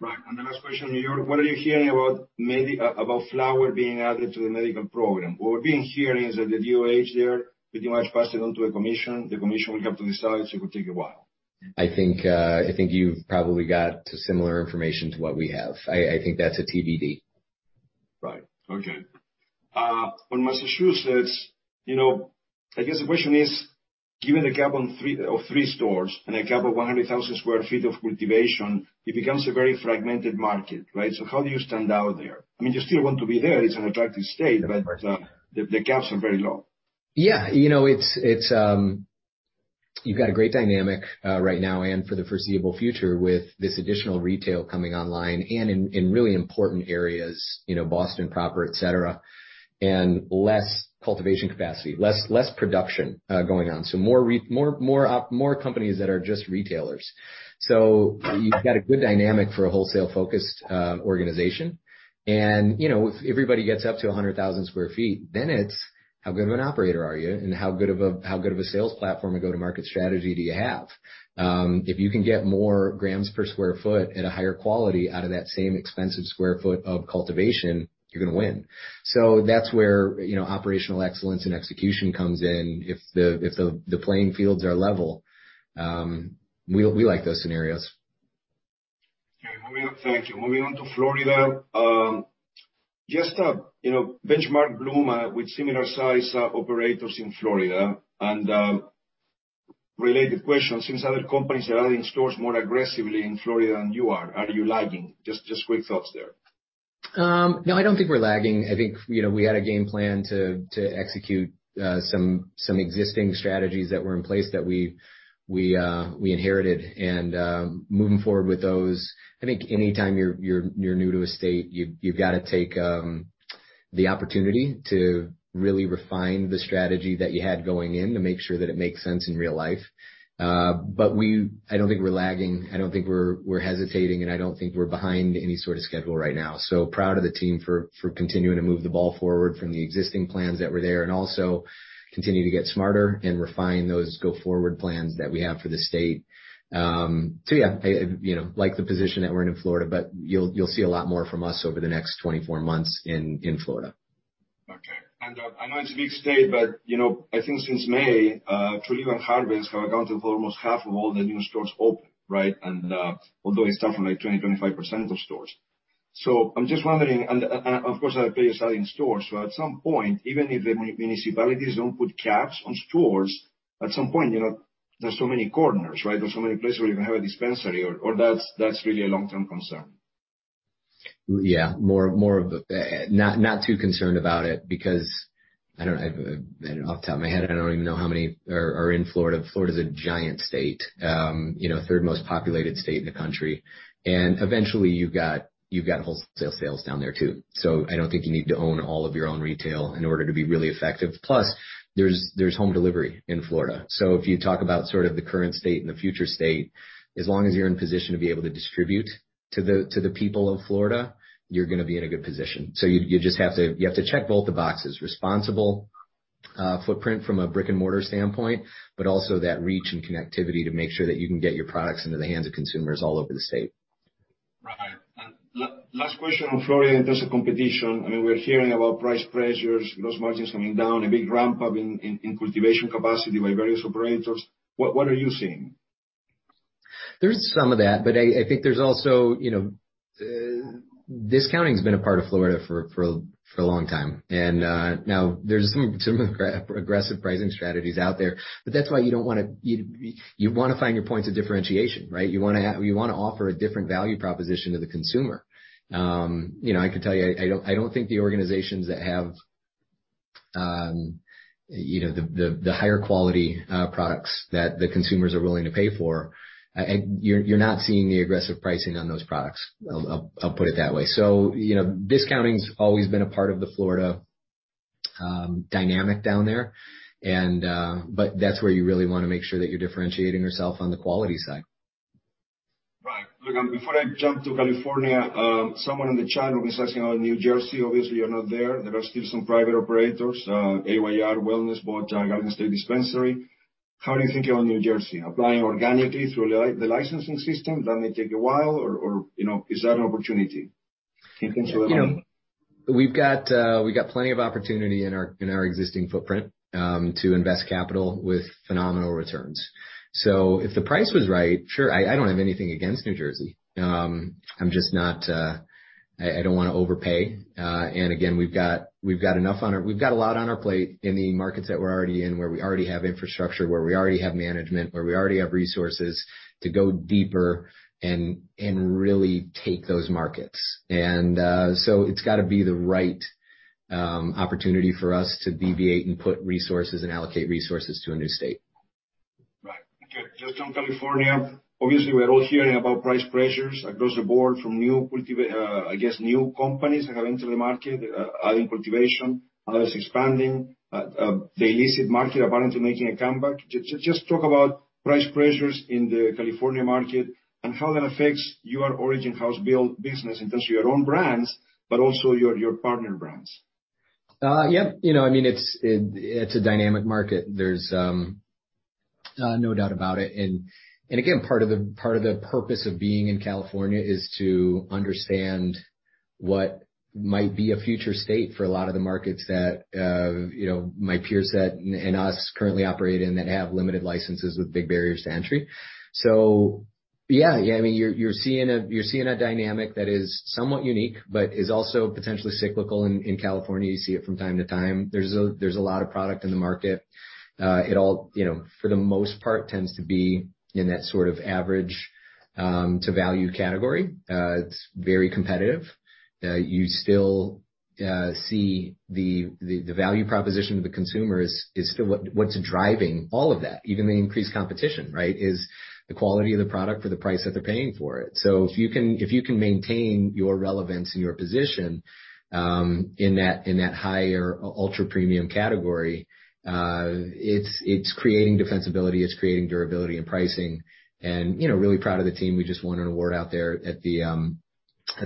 Right. And the last question on New York: What are you hearing about flower being added to the medical program? What we've been hearing is that the DOH there pretty much passed it on to a commission. The commission will have to decide, so it could take a while. I think, I think you've probably got similar information to what we have. I think that's a TBD. Right. Okay. On Massachusetts, you know, I guess the question is, given the cap on three, of three stores and a cap of 100,000 sq ft of cultivation, it becomes a very fragmented market, right? So how do you stand out there? I mean, you still want to be there, it's an attractive state, but, the caps are very low. Yeah, you know, it's you've got a great dynamic right now and for the foreseeable future, with this additional retail coming online and in really important areas, you know, Boston proper, et cetera, and less cultivation capacity, less production going on. So more companies that are just retailers. So you've got a good dynamic for a wholesale-focused organization. And, you know, if everybody gets up to 100,000 sq ft, then it's how good of an operator are you? And how good of a sales platform and go-to-market strategy do you have? If you can get more grams per sq ft at a higher quality out of that same expensive sq ft of cultivation, you're gonna win. So that's where, you know, operational excellence and execution comes in, if the playing fields are level. We like those scenarios. Okay, moving on. Thank you. Moving on to Florida, just, you know, benchmark Bluma with similar-sized operators in Florida, and related questions, since other companies are adding stores more aggressively in Florida than you are, are you lagging? Just quick thoughts there. No, I don't think we're lagging. I think, you know, we had a game plan to execute some existing strategies that were in place that we inherited, and moving forward with those, I think anytime you're new to a state, you've got to take the opportunity to really refine the strategy that you had going in to make sure that it makes sense in real life, but we, I don't think we're lagging, I don't think we're hesitating, and I don't think we're behind any sort of schedule right now, so proud of the team for continuing to move the ball forward from the existing plans that were there, and also continue to get smarter and refine those go-forward plans that we have for the state. So yeah, you know, like the position that we're in in Florida, but you'll see a lot more from us over the next twenty-four months in Florida. Okay. And I know it's a big state, but you know I think since May Trulieve and Harvest have accounted for almost half of all the new stores open, right? And although it's starting from like 20-25% of stores. So I'm just wondering and of course I have a selling store so at some point even if the municipalities don't put caps on stores at some point you know there's so many corners right? There's so many places where you can have a dispensary or that's really a long-term concern. Yeah, more of a... Not too concerned about it, because I don't, off the top of my head, I don't even know how many are in Florida. Florida's a giant state, you know, third most populated state in the country. And eventually, you've got wholesale sales down there, too. So I don't think you need to own all of your own retail in order to be really effective. Plus, there's home delivery in Florida. So if you talk about sort of the current state and the future state, as long as you're in position to be able to distribute to the people of Florida, you're gonna be in a good position. So you just have to check both the boxes: responsible footprint from a brick-and-mortar standpoint, but also that reach and connectivity to make sure that you can get your products into the hands of consumers all over the state. Right. And last question on Florida, in terms of competition, I mean, we're hearing about price pressures, gross margins coming down, a big ramp-up in cultivation capacity by various operators. What are you seeing? There's some of that, but I think there's also, you know, discounting has been a part of Florida for a long time. And now there's some aggressive pricing strategies out there, but that's why you don't wanna, you wanna find your points of differentiation, right? You wanna offer a different value proposition to the consumer. You know, I can tell you, I don't think the organizations that have, you know, the higher quality products that the consumers are willing to pay for, you're not seeing the aggressive pricing on those products. I'll put it that way. You know, discounting's always been a part of the Florida dynamic down there, and, but that's where you really want to make sure that you're differentiating yourself on the quality side. Right. Look, before I jump to California, someone in the chat room is asking about New Jersey. Obviously, you're not there. There are still some private operators, Ayr Wellness, but, Garden State Dispensary. How are you thinking about New Jersey? Applying organically through the licensing system, that may take a while, or, you know, is that an opportunity? Any things with that? You know, we've got plenty of opportunity in our existing footprint to invest capital with phenomenal returns. So if the price was right, sure, I don't have anything against New Jersey. I'm just not, I don't want to overpay. And again, we've got a lot on our plate in the markets that we're already in, where we already have infrastructure, where we already have management, where we already have resources to go deeper and really take those markets. And so it's got to be the right opportunity for us to deviate and put resources and allocate resources to a new state. Right. Okay. Just on California, obviously, we're all hearing about price pressures across the board from new cultivation, I guess, new companies that are into the market, adding cultivation, others expanding, the illicit market apparently making a comeback. Just talk about price pressures in the California market and how that affects your Origin House build business in terms of your own brands, but also your partner brands. Yeah, you know, I mean, it's, it, it's a dynamic market. There's no doubt about it, and, and again, part of the, part of the purpose of being in California is to understand what might be a future state for a lot of the markets that, you know, my peers that, and us currently operate in, that have limited licenses with big barriers to entry, so yeah, yeah, I mean, you're, you're seeing a, you're seeing a dynamic that is somewhat unique, but is also potentially cyclical in, in California. You see it from time to time. There's a, there's a lot of product in the market. It all, you know, for the most part, tends to be in that sort of average to value category. It's very competitive. You still see the value proposition to the consumer is still what's driving all of that, even the increased competition, right? Is the quality of the product for the price that they're paying for it. So if you can maintain your relevance and your position in that higher ultra premium category, it's creating defensibility, it's creating durability and pricing. And you know, really proud of the team. We just won an award out there at the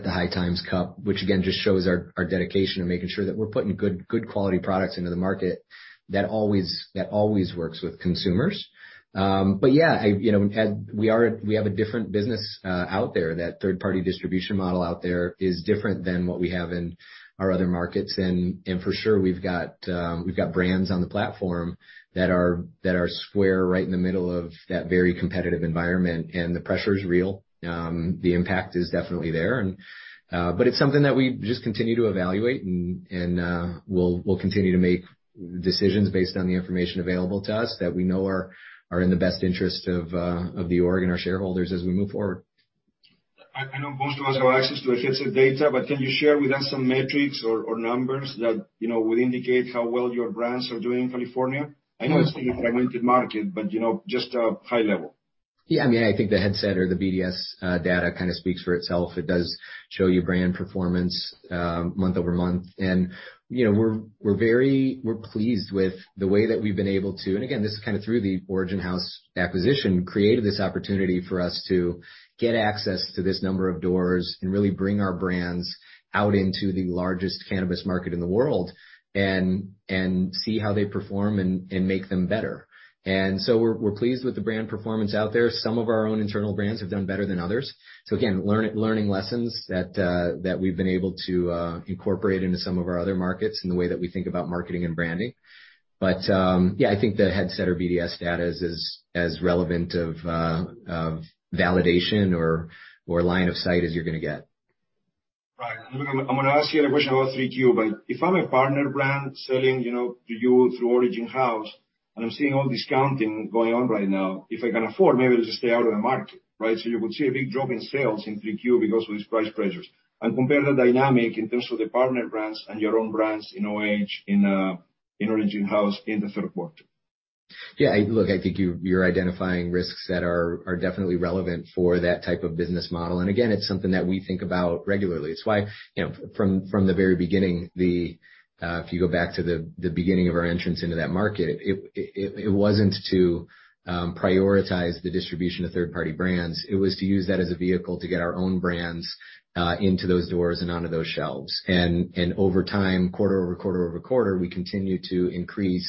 High Times Cup, which again just shows our dedication to making sure that we're putting good quality products into the market. That always works with consumers. But yeah, you know, we have a different business out there. That third-party distribution model out there is different than what we have in our other markets. And for sure, we've got brands on the platform that are square, right in the middle of that very competitive environment, and the pressure is real. The impact is definitely there, and, but it's something that we just continue to evaluate, and we'll continue to make decisions based on the information available to us that we know are in the best interest of the org and our shareholders as we move forward. I know most of us have access to Headset data, but can you share with us some metrics or numbers that, you know, would indicate how well your brands are doing in California? I know it's a fragmented market, but, you know, just high level. Yeah, I mean, I think the Headset or the BDS data kind of speaks for itself. It does show you brand performance month over month. And, you know, we're very pleased with the way that we've been able to. And again, this is kind of through the Origin House acquisition, created this opportunity for us to get access to this number of doors and really bring our brands out into the largest cannabis market in the world, and see how they perform and make them better. And so we're pleased with the brand performance out there. Some of our own internal brands have done better than others. So again, learning lessons that we've been able to incorporate into some of our other markets in the way that we think about marketing and branding. But, yeah, I think the Headset or BDS data is as relevant of validation or line of sight as you're gonna get. Right. Look, I'm gonna ask you a question about 3Q. But if I'm a partner brand selling, you know, to you through Origin House, and I'm seeing all this counting going on right now, if I can afford, maybe I'll just stay out of the market, right? So you would see a big drop in sales in 3Q because of these price pressures. And compare the dynamic in terms of the partner brands and your own brands in OH, in, in Origin House in the third quarter. Yeah, look, I think you're identifying risks that are definitely relevant for that type of business model. And again, it's something that we think about regularly. It's why, you know, from the very beginning, if you go back to the beginning of our entrance into that market, it wasn't to prioritize the distribution of third-party brands, it was to use that as a vehicle to get our own brands into those doors and onto those shelves. And over time, quarter-over-quarter, we continued to increase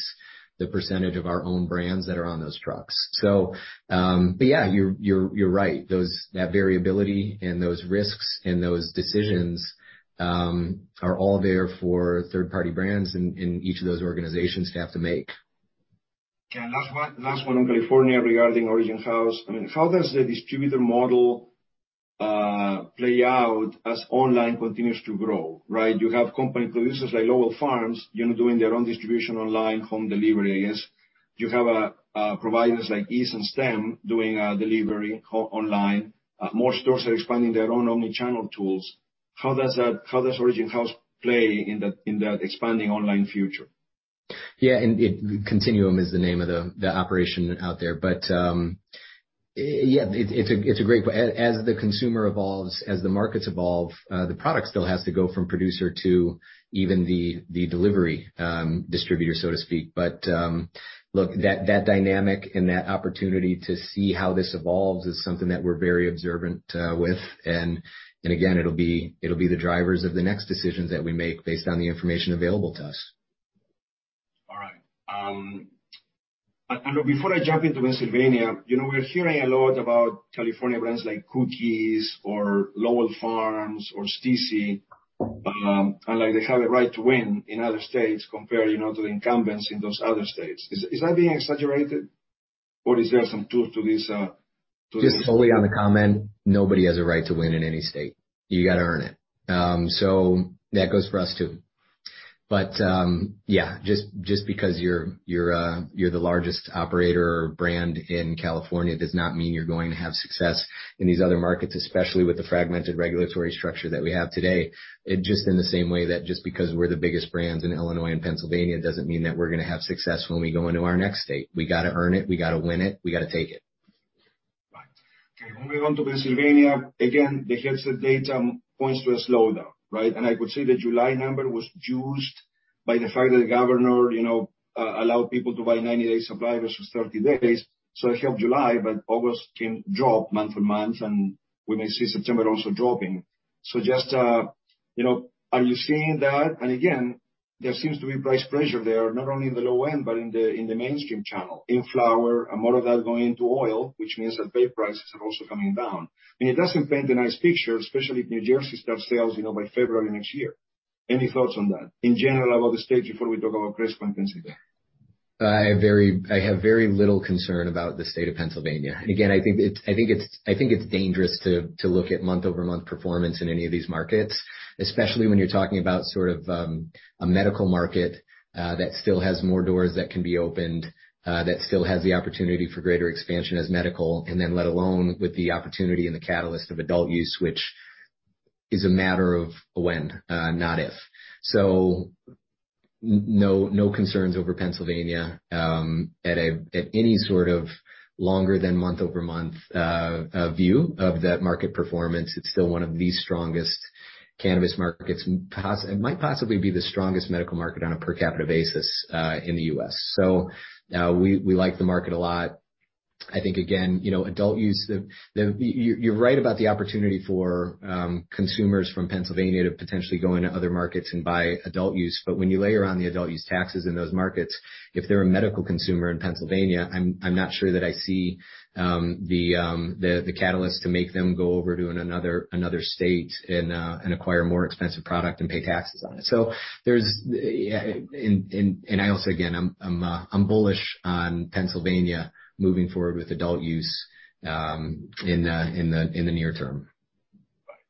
the percentage of our own brands that are on those trucks. So, but yeah, you're right. That variability and those risks and those decisions are all there for third-party brands and each of those organizations to have to make. Okay. Last one on California regarding Origin House. I mean, how does the distributor model play out as online continues to grow, right? You have company producers like Lowell Farms, you know, doing their own distribution online, home delivery, I guess. You have providers like Eaze and Stem doing delivery online. More stores are expanding their own omni-channel tools. How does that, how does Origin House play in that, in that expanding online future? Yeah, and Continuum is the name of the operation out there, but yeah, it's a great point. As the consumer evolves, as the markets evolve, the product still has to go from producer to even the delivery distributor, so to speak, but look, that dynamic and that opportunity to see how this evolves is something that we're very observant with, and again, it'll be the drivers of the next decisions that we make based on the information available to us.... and before I jump into Pennsylvania, you know, we're hearing a lot about California brands like Cookies or Lowell Farms or Stiiizy. And, like, they have a right to win in other states compared, you know, to the incumbents in those other states. Is that being exaggerated, or is there some truth to this? Just totally on the comment, nobody has a right to win in any state. You gotta earn it. So that goes for us, too. But, yeah, just because you're the largest operator or brand in California, does not mean you're going to have success in these other markets, especially with the fragmented regulatory structure that we have today. It just in the same way that just because we're the biggest brands in Illinois and Pennsylvania, doesn't mean that we're gonna have success when we go into our next state. We gotta earn it. We gotta win it. We gotta take it. Right. Okay, moving on to Pennsylvania, again, the Headset data points to a slowdown, right? And I could see the July number was juiced by the fact that the governor, you know, allowed people to buy ninety-day supplies for thirty days. So it helped July, but August can drop month on month, and we may see September also dropping. So just, you know, are you seeing that? And again, there seems to be price pressure there, not only in the low end, but in the mainstream channel, in flower, and more of that going into oil, which means that vape prices are also coming down. I mean, it doesn't paint a nice picture, especially if New Jersey starts sales, you know, by February next year. Any thoughts on that? In general, about the state before we talk about price point in Pennsylvania. I have very little concern about the state of Pennsylvania. And again, I think it's dangerous to look at month-over-month performance in any of these markets, especially when you're talking about sort of a medical market that still has more doors that can be opened that still has the opportunity for greater expansion as medical, and then let alone with the opportunity and the catalyst of adult use, which is a matter of when, not if. So no, no concerns over Pennsylvania at any sort of longer than month-over-month view of that market performance. It's still one of the strongest cannabis markets. It might possibly be the strongest medical market on a per capita basis in the U.S. So we like the market a lot. I think, again, you know, adult use. You're right about the opportunity for consumers from Pennsylvania to potentially go into other markets and buy adult use. But when you layer on the adult use taxes in those markets, if they're a medical consumer in Pennsylvania, I'm not sure that I see the catalyst to make them go over to another state and acquire more expensive product and pay taxes on it. So I also, again, I'm bullish on Pennsylvania moving forward with adult use in the near term. Right.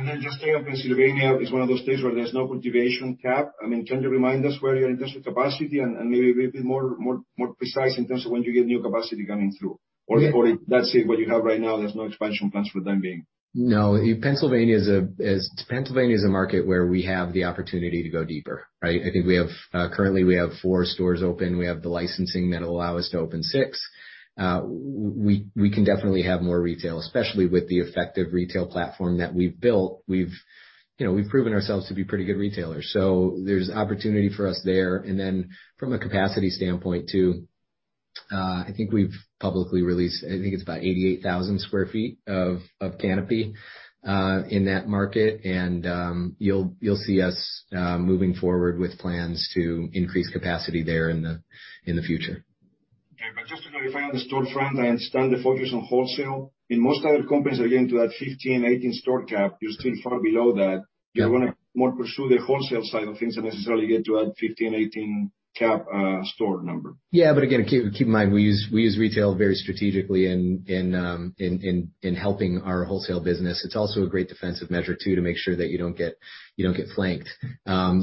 And then just staying on Pennsylvania, is one of those states where there's no cultivation cap. I mean, can you remind us where you're in terms of capacity and maybe a little bit more precise in terms of when you get new capacity coming through? Yeah. That's it, what you have right now, there's no expansion plans for the time being. No, Pennsylvania is a market where we have the opportunity to go deeper, right? I think we have, currently, we have four stores open. We have the licensing that will allow us to open six. We can definitely have more retail, especially with the effective retail platform that we've built. We've, you know, we've proven ourselves to be pretty good retailers. So there's opportunity for us there. And then from a capacity standpoint, too, I think we've publicly released, I think it's about 88,000 sq ft of canopy in that market. And you'll see us moving forward with plans to increase capacity there in the future. Okay. But just to clarify on the storefront, I understand the focus on wholesale. In most other companies, again, to that 15-18 store cap, you're still far below that. Yeah. You want to more pursue the wholesale side of things than necessarily get to a 15-18 cap, store number. Yeah, but again, keep in mind, we use retail very strategically in helping our wholesale business. It's also a great defensive measure, too, to make sure that you don't get flanked.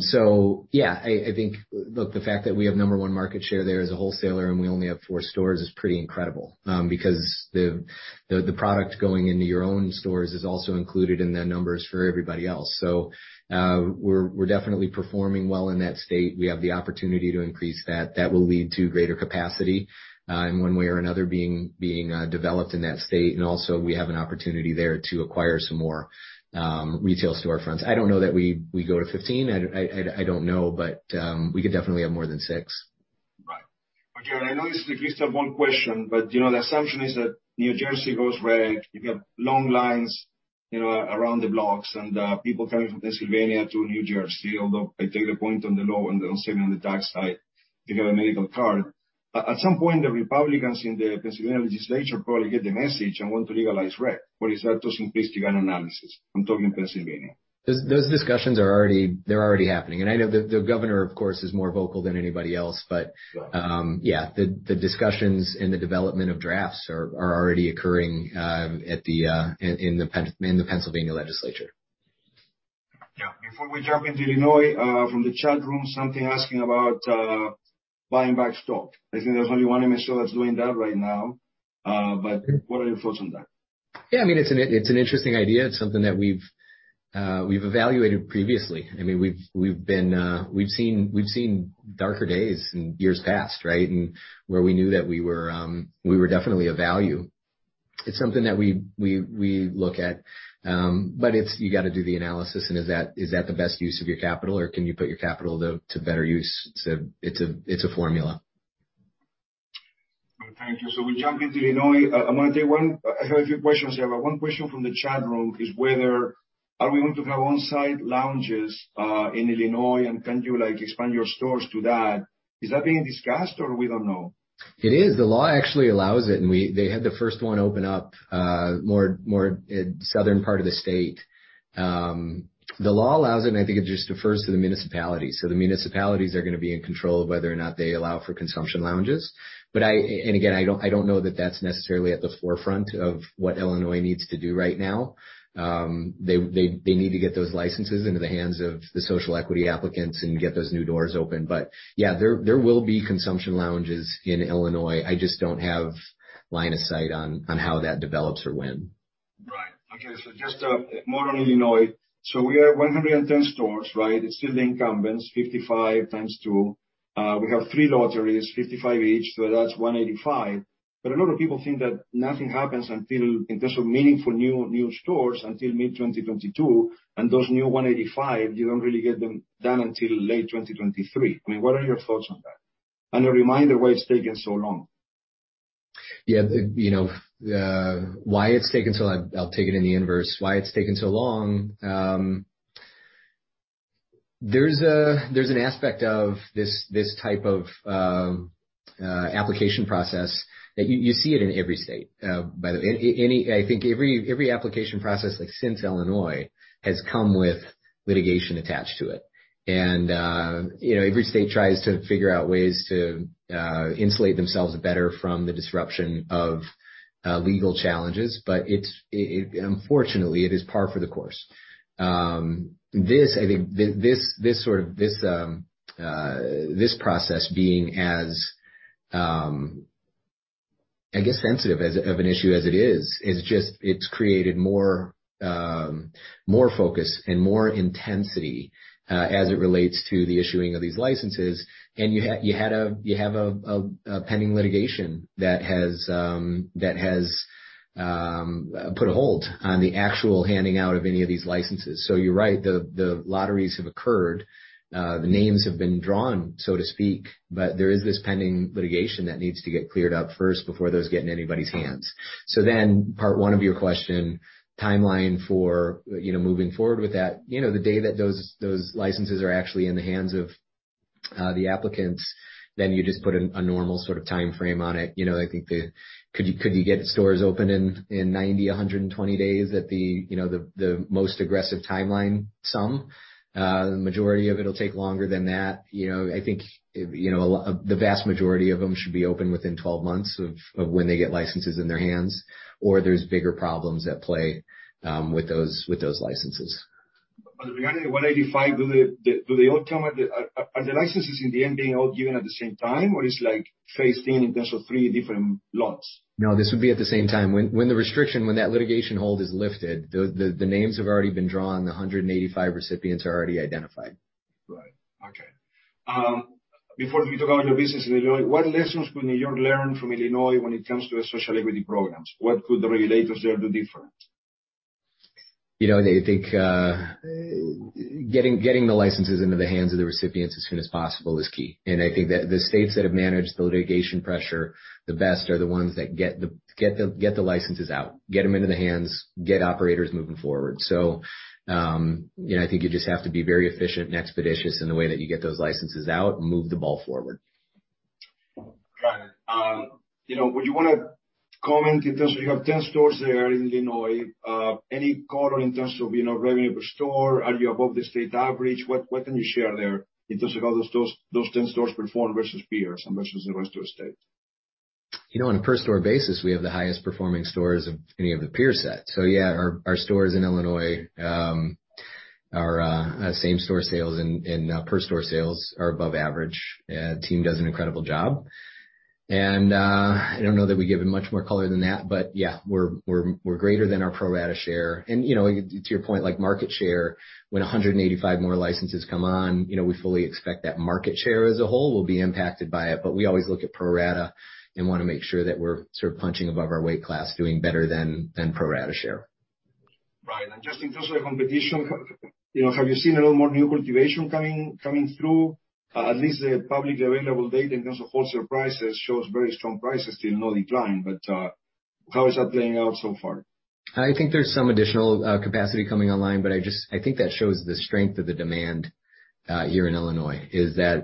So yeah, I think, look, the fact that we have number one market share there as a wholesaler, and we only have four stores, is pretty incredible. Because the product going into your own stores is also included in their numbers for everybody else. So, we're definitely performing well in that state. We have the opportunity to increase that. That will lead to greater capacity in one way or another, being developed in that state. And also, we have an opportunity there to acquire some more retail store fronts. I don't know that we go to 15. I don't know, but we could definitely have more than six. Right. But, yeah, I know this is at least one question, but, you know, the assumption is that New Jersey goes rec. You have long lines, you know, around the blocks, and, people coming from Pennsylvania to New Jersey, although I take the point on the low and on saving on the tax side to get a medical card. But at some point, the Republicans in the Pennsylvania legislature probably get the message and want to legalize rec, or is that too simplistic an analysis? I'm talking Pennsylvania. Those discussions are already... They're already happening. And I know the governor, of course, is more vocal than anybody else, but- Sure. Yeah, the discussions and the development of drafts are already occurring in the Pennsylvania legislature. Yeah. Before we jump into Illinois, from the chat room, something asking about, buying back stock. I think there's only one MSO that's doing that right now, but what are your thoughts on that? Yeah, I mean, it's an interesting idea. It's something that we've evaluated previously. I mean, we've been. We've seen darker days in years past, right? And where we knew that we were, we were definitely of value. It's something that we look at, but it's, you gotta do the analysis, and is that the best use of your capital, or can you put your capital to better use? It's a formula.... Oh, thank you. So we jump into Illinois. I want to take one- I have a few questions here, but one question from the chat room is whether, are we going to have on-site lounges in Illinois? And can you, like, expand your stores to that? Is that being discussed or we don't know? It is. The law actually allows it, and they had the first one open up, more southern part of the state. The law allows it, and I think it just defers to the municipalities. So the municipalities are gonna be in control of whether or not they allow for consumption lounges. But and again, I don't know that that's necessarily at the forefront of what Illinois needs to do right now. They need to get those licenses into the hands of the social equity applicants and get those new doors open. But yeah, there will be consumption lounges in Illinois. I just don't have line of sight on how that develops or when. Right. Okay, so just more on Illinois. So we are at one hundred and ten stores, right? It's still the incumbents, fifty-five times two. We have three lotteries, fifty-five each, so that's one eighty-five. But a lot of people think that nothing happens until, in terms of meaningful new stores, until mid-2022. Those new one eighty-five, you don't really get them done until late 2023. I mean, what are your thoughts on that? A reminder why it's taking so long. Yeah, you know, why it's taken so long, I'll take it in the inverse. Why it's taken so long, there's an aspect of this type of application process that you see it in every state, by the way. I think every application process, like, since Illinois, has come with litigation attached to it. And you know, every state tries to figure out ways to insulate themselves better from the disruption of legal challenges, but it's unfortunately par for the course. I think this sort of process being as sensitive of an issue as it is, is just, it's created more focus and more intensity as it relates to the issuing of these licenses. You have a pending litigation that has put a hold on the actual handing out of any of these licenses. So you're right, the lotteries have occurred. The names have been drawn, so to speak, but there is this pending litigation that needs to get cleared up first before those get in anybody's hands. So then, part one of your question, timeline for, you know, moving forward with that, you know, the day that those licenses are actually in the hands of the applicants, then you just put a normal sort of time frame on it. You know, I think the... Could you get stores open in ninety, a hundred and twenty days at the, you know, the most aggressive timeline, some? The majority of it'll take longer than that. You know, I think, you know, the vast majority of them should be open within twelve months of when they get licenses in their hands, or there's bigger problems at play with those licenses. But regarding the 185, do they all come at the... are the licenses in the end being all given at the same time, or it's like phased in, in terms of three different lots? No, this would be at the same time. When the restriction, when that litigation hold is lifted, the names have already been drawn, the 185 recipients are already identified. Right. Okay. Before we talk about your business in Illinois, what lessons could New York learn from Illinois when it comes to the social equity programs? What could the regulators there do different? You know, I think getting the licenses into the hands of the recipients as soon as possible is key, and I think that the states that have managed the litigation pressure the best are the ones that get the licenses out, get them into the hands, get operators moving forward, so you know, I think you just have to be very efficient and expeditious in the way that you get those licenses out and move the ball forward. Right. You know, would you want to comment, in terms of you have 10 stores there in Illinois, any color in terms of, you know, revenue per store? Are you above the state average? What can you share there in terms of how those stores, those 10 stores perform versus peers and versus the rest of the state? You know, on a per store basis, we have the highest performing stores of any of the peer set. So yeah, our stores in Illinois, same store sales and per store sales are above average. The team does an incredible job. And I don't know that we give it much more color than that, but yeah, we're greater than our pro rata share. And, you know, to your point, like, market share, when 185 more licenses come on, you know, we fully expect that market share as a whole will be impacted by it. But we always look at pro rata and want to make sure that we're sort of punching above our weight class, doing better than pro rata share. Right. And just in terms of the competition, you know, have you seen a little more new cultivation coming through? At least the publicly available data in terms of wholesale prices shows very strong prices, still no decline. But, how is that playing out so far? I think there's some additional capacity coming online, but I think that shows the strength of the demand here in Illinois, is that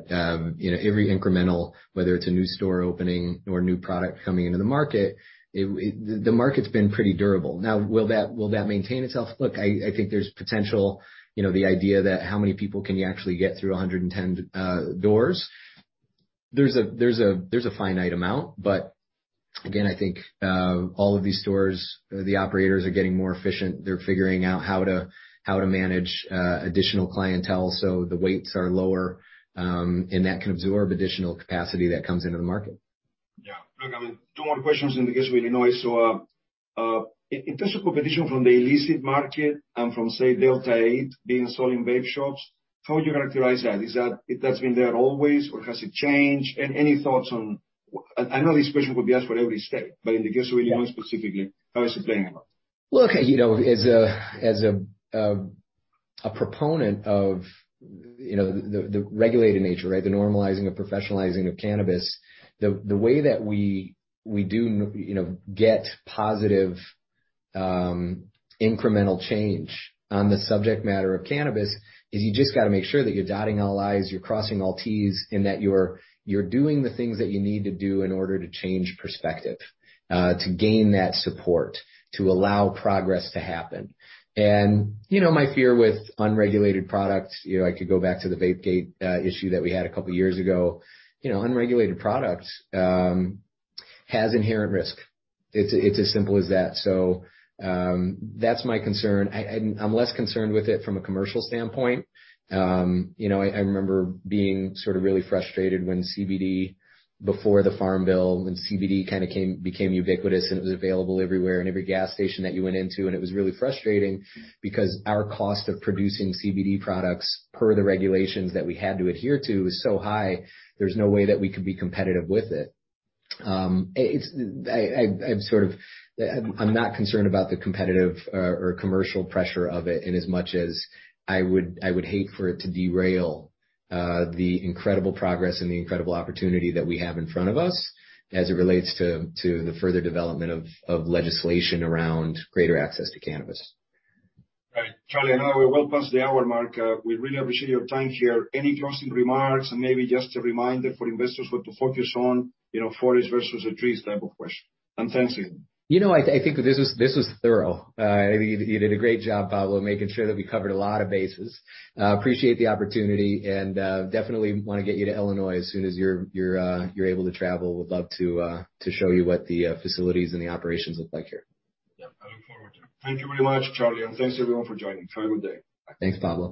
you know, every incremental, whether it's a new store opening or new product coming into the market, the market's been pretty durable. Now, will that maintain itself? Look, I think there's potential, you know, the idea that how many people can you actually get through 110 doors? There's a finite amount, but again, I think all of these stores, the operators are getting more efficient. They're figuring out how to manage additional clientele, so the waits are lower, and that can absorb additional capacity that comes into the market. Yeah. Look, I mean, two more questions in the case with Illinois. So, in terms of competition from the illicit market and from, say, Delta-8 being sold in vape shops, how would you characterize that? Is that, that's been there always, or has it changed? And any thoughts on... I know this question could be asked for every state, but in the case of Illinois, specifically, how is it playing out? Look, you know, as a proponent of, you know, the regulated nature, right? The normalizing and professionalizing of cannabis. The way that we do, you know, get positive incremental change on the subject matter of cannabis is you just gotta make sure that you're dotting all I's, you're crossing all T's, and that you're doing the things that you need to do in order to change perspective to gain that support to allow progress to happen. And, you know, my fear with unregulated products, you know, I could go back to the Vapegate issue that we had a couple of years ago. You know, unregulated products has inherent risk. It's as simple as that. So, that's my concern and I'm less concerned with it from a commercial standpoint. You know, I remember being sort of really frustrated when CBD, before the Farm Bill, when CBD kind of became ubiquitous, and it was available everywhere, in every gas station that you went into. It was really frustrating because our cost of producing CBD products per the regulations that we had to adhere to was so high, there was no way that we could be competitive with it. It's. I'm sort of not concerned about the competitive or commercial pressure of it, in as much as I would hate for it to derail the incredible progress and the incredible opportunity that we have in front of us, as it relates to the further development of legislation around greater access to cannabis. Right. Charlie, I know we're well past the hour mark. We really appreciate your time here. Any closing remarks? And maybe just a reminder for investors what to focus on, you know, forests versus the trees type of question. And thanks again. You know, I think this was thorough. I think you did a great job, Pablo, making sure that we covered a lot of bases. Appreciate the opportunity, and definitely want to get you to Illinois as soon as you're able to travel. Would love to show you what the facilities and the operations look like here. Yeah. I look forward to it. Thank you very much, Charlie, and thanks, everyone, for joining. Have a good day. Thanks, Pablo.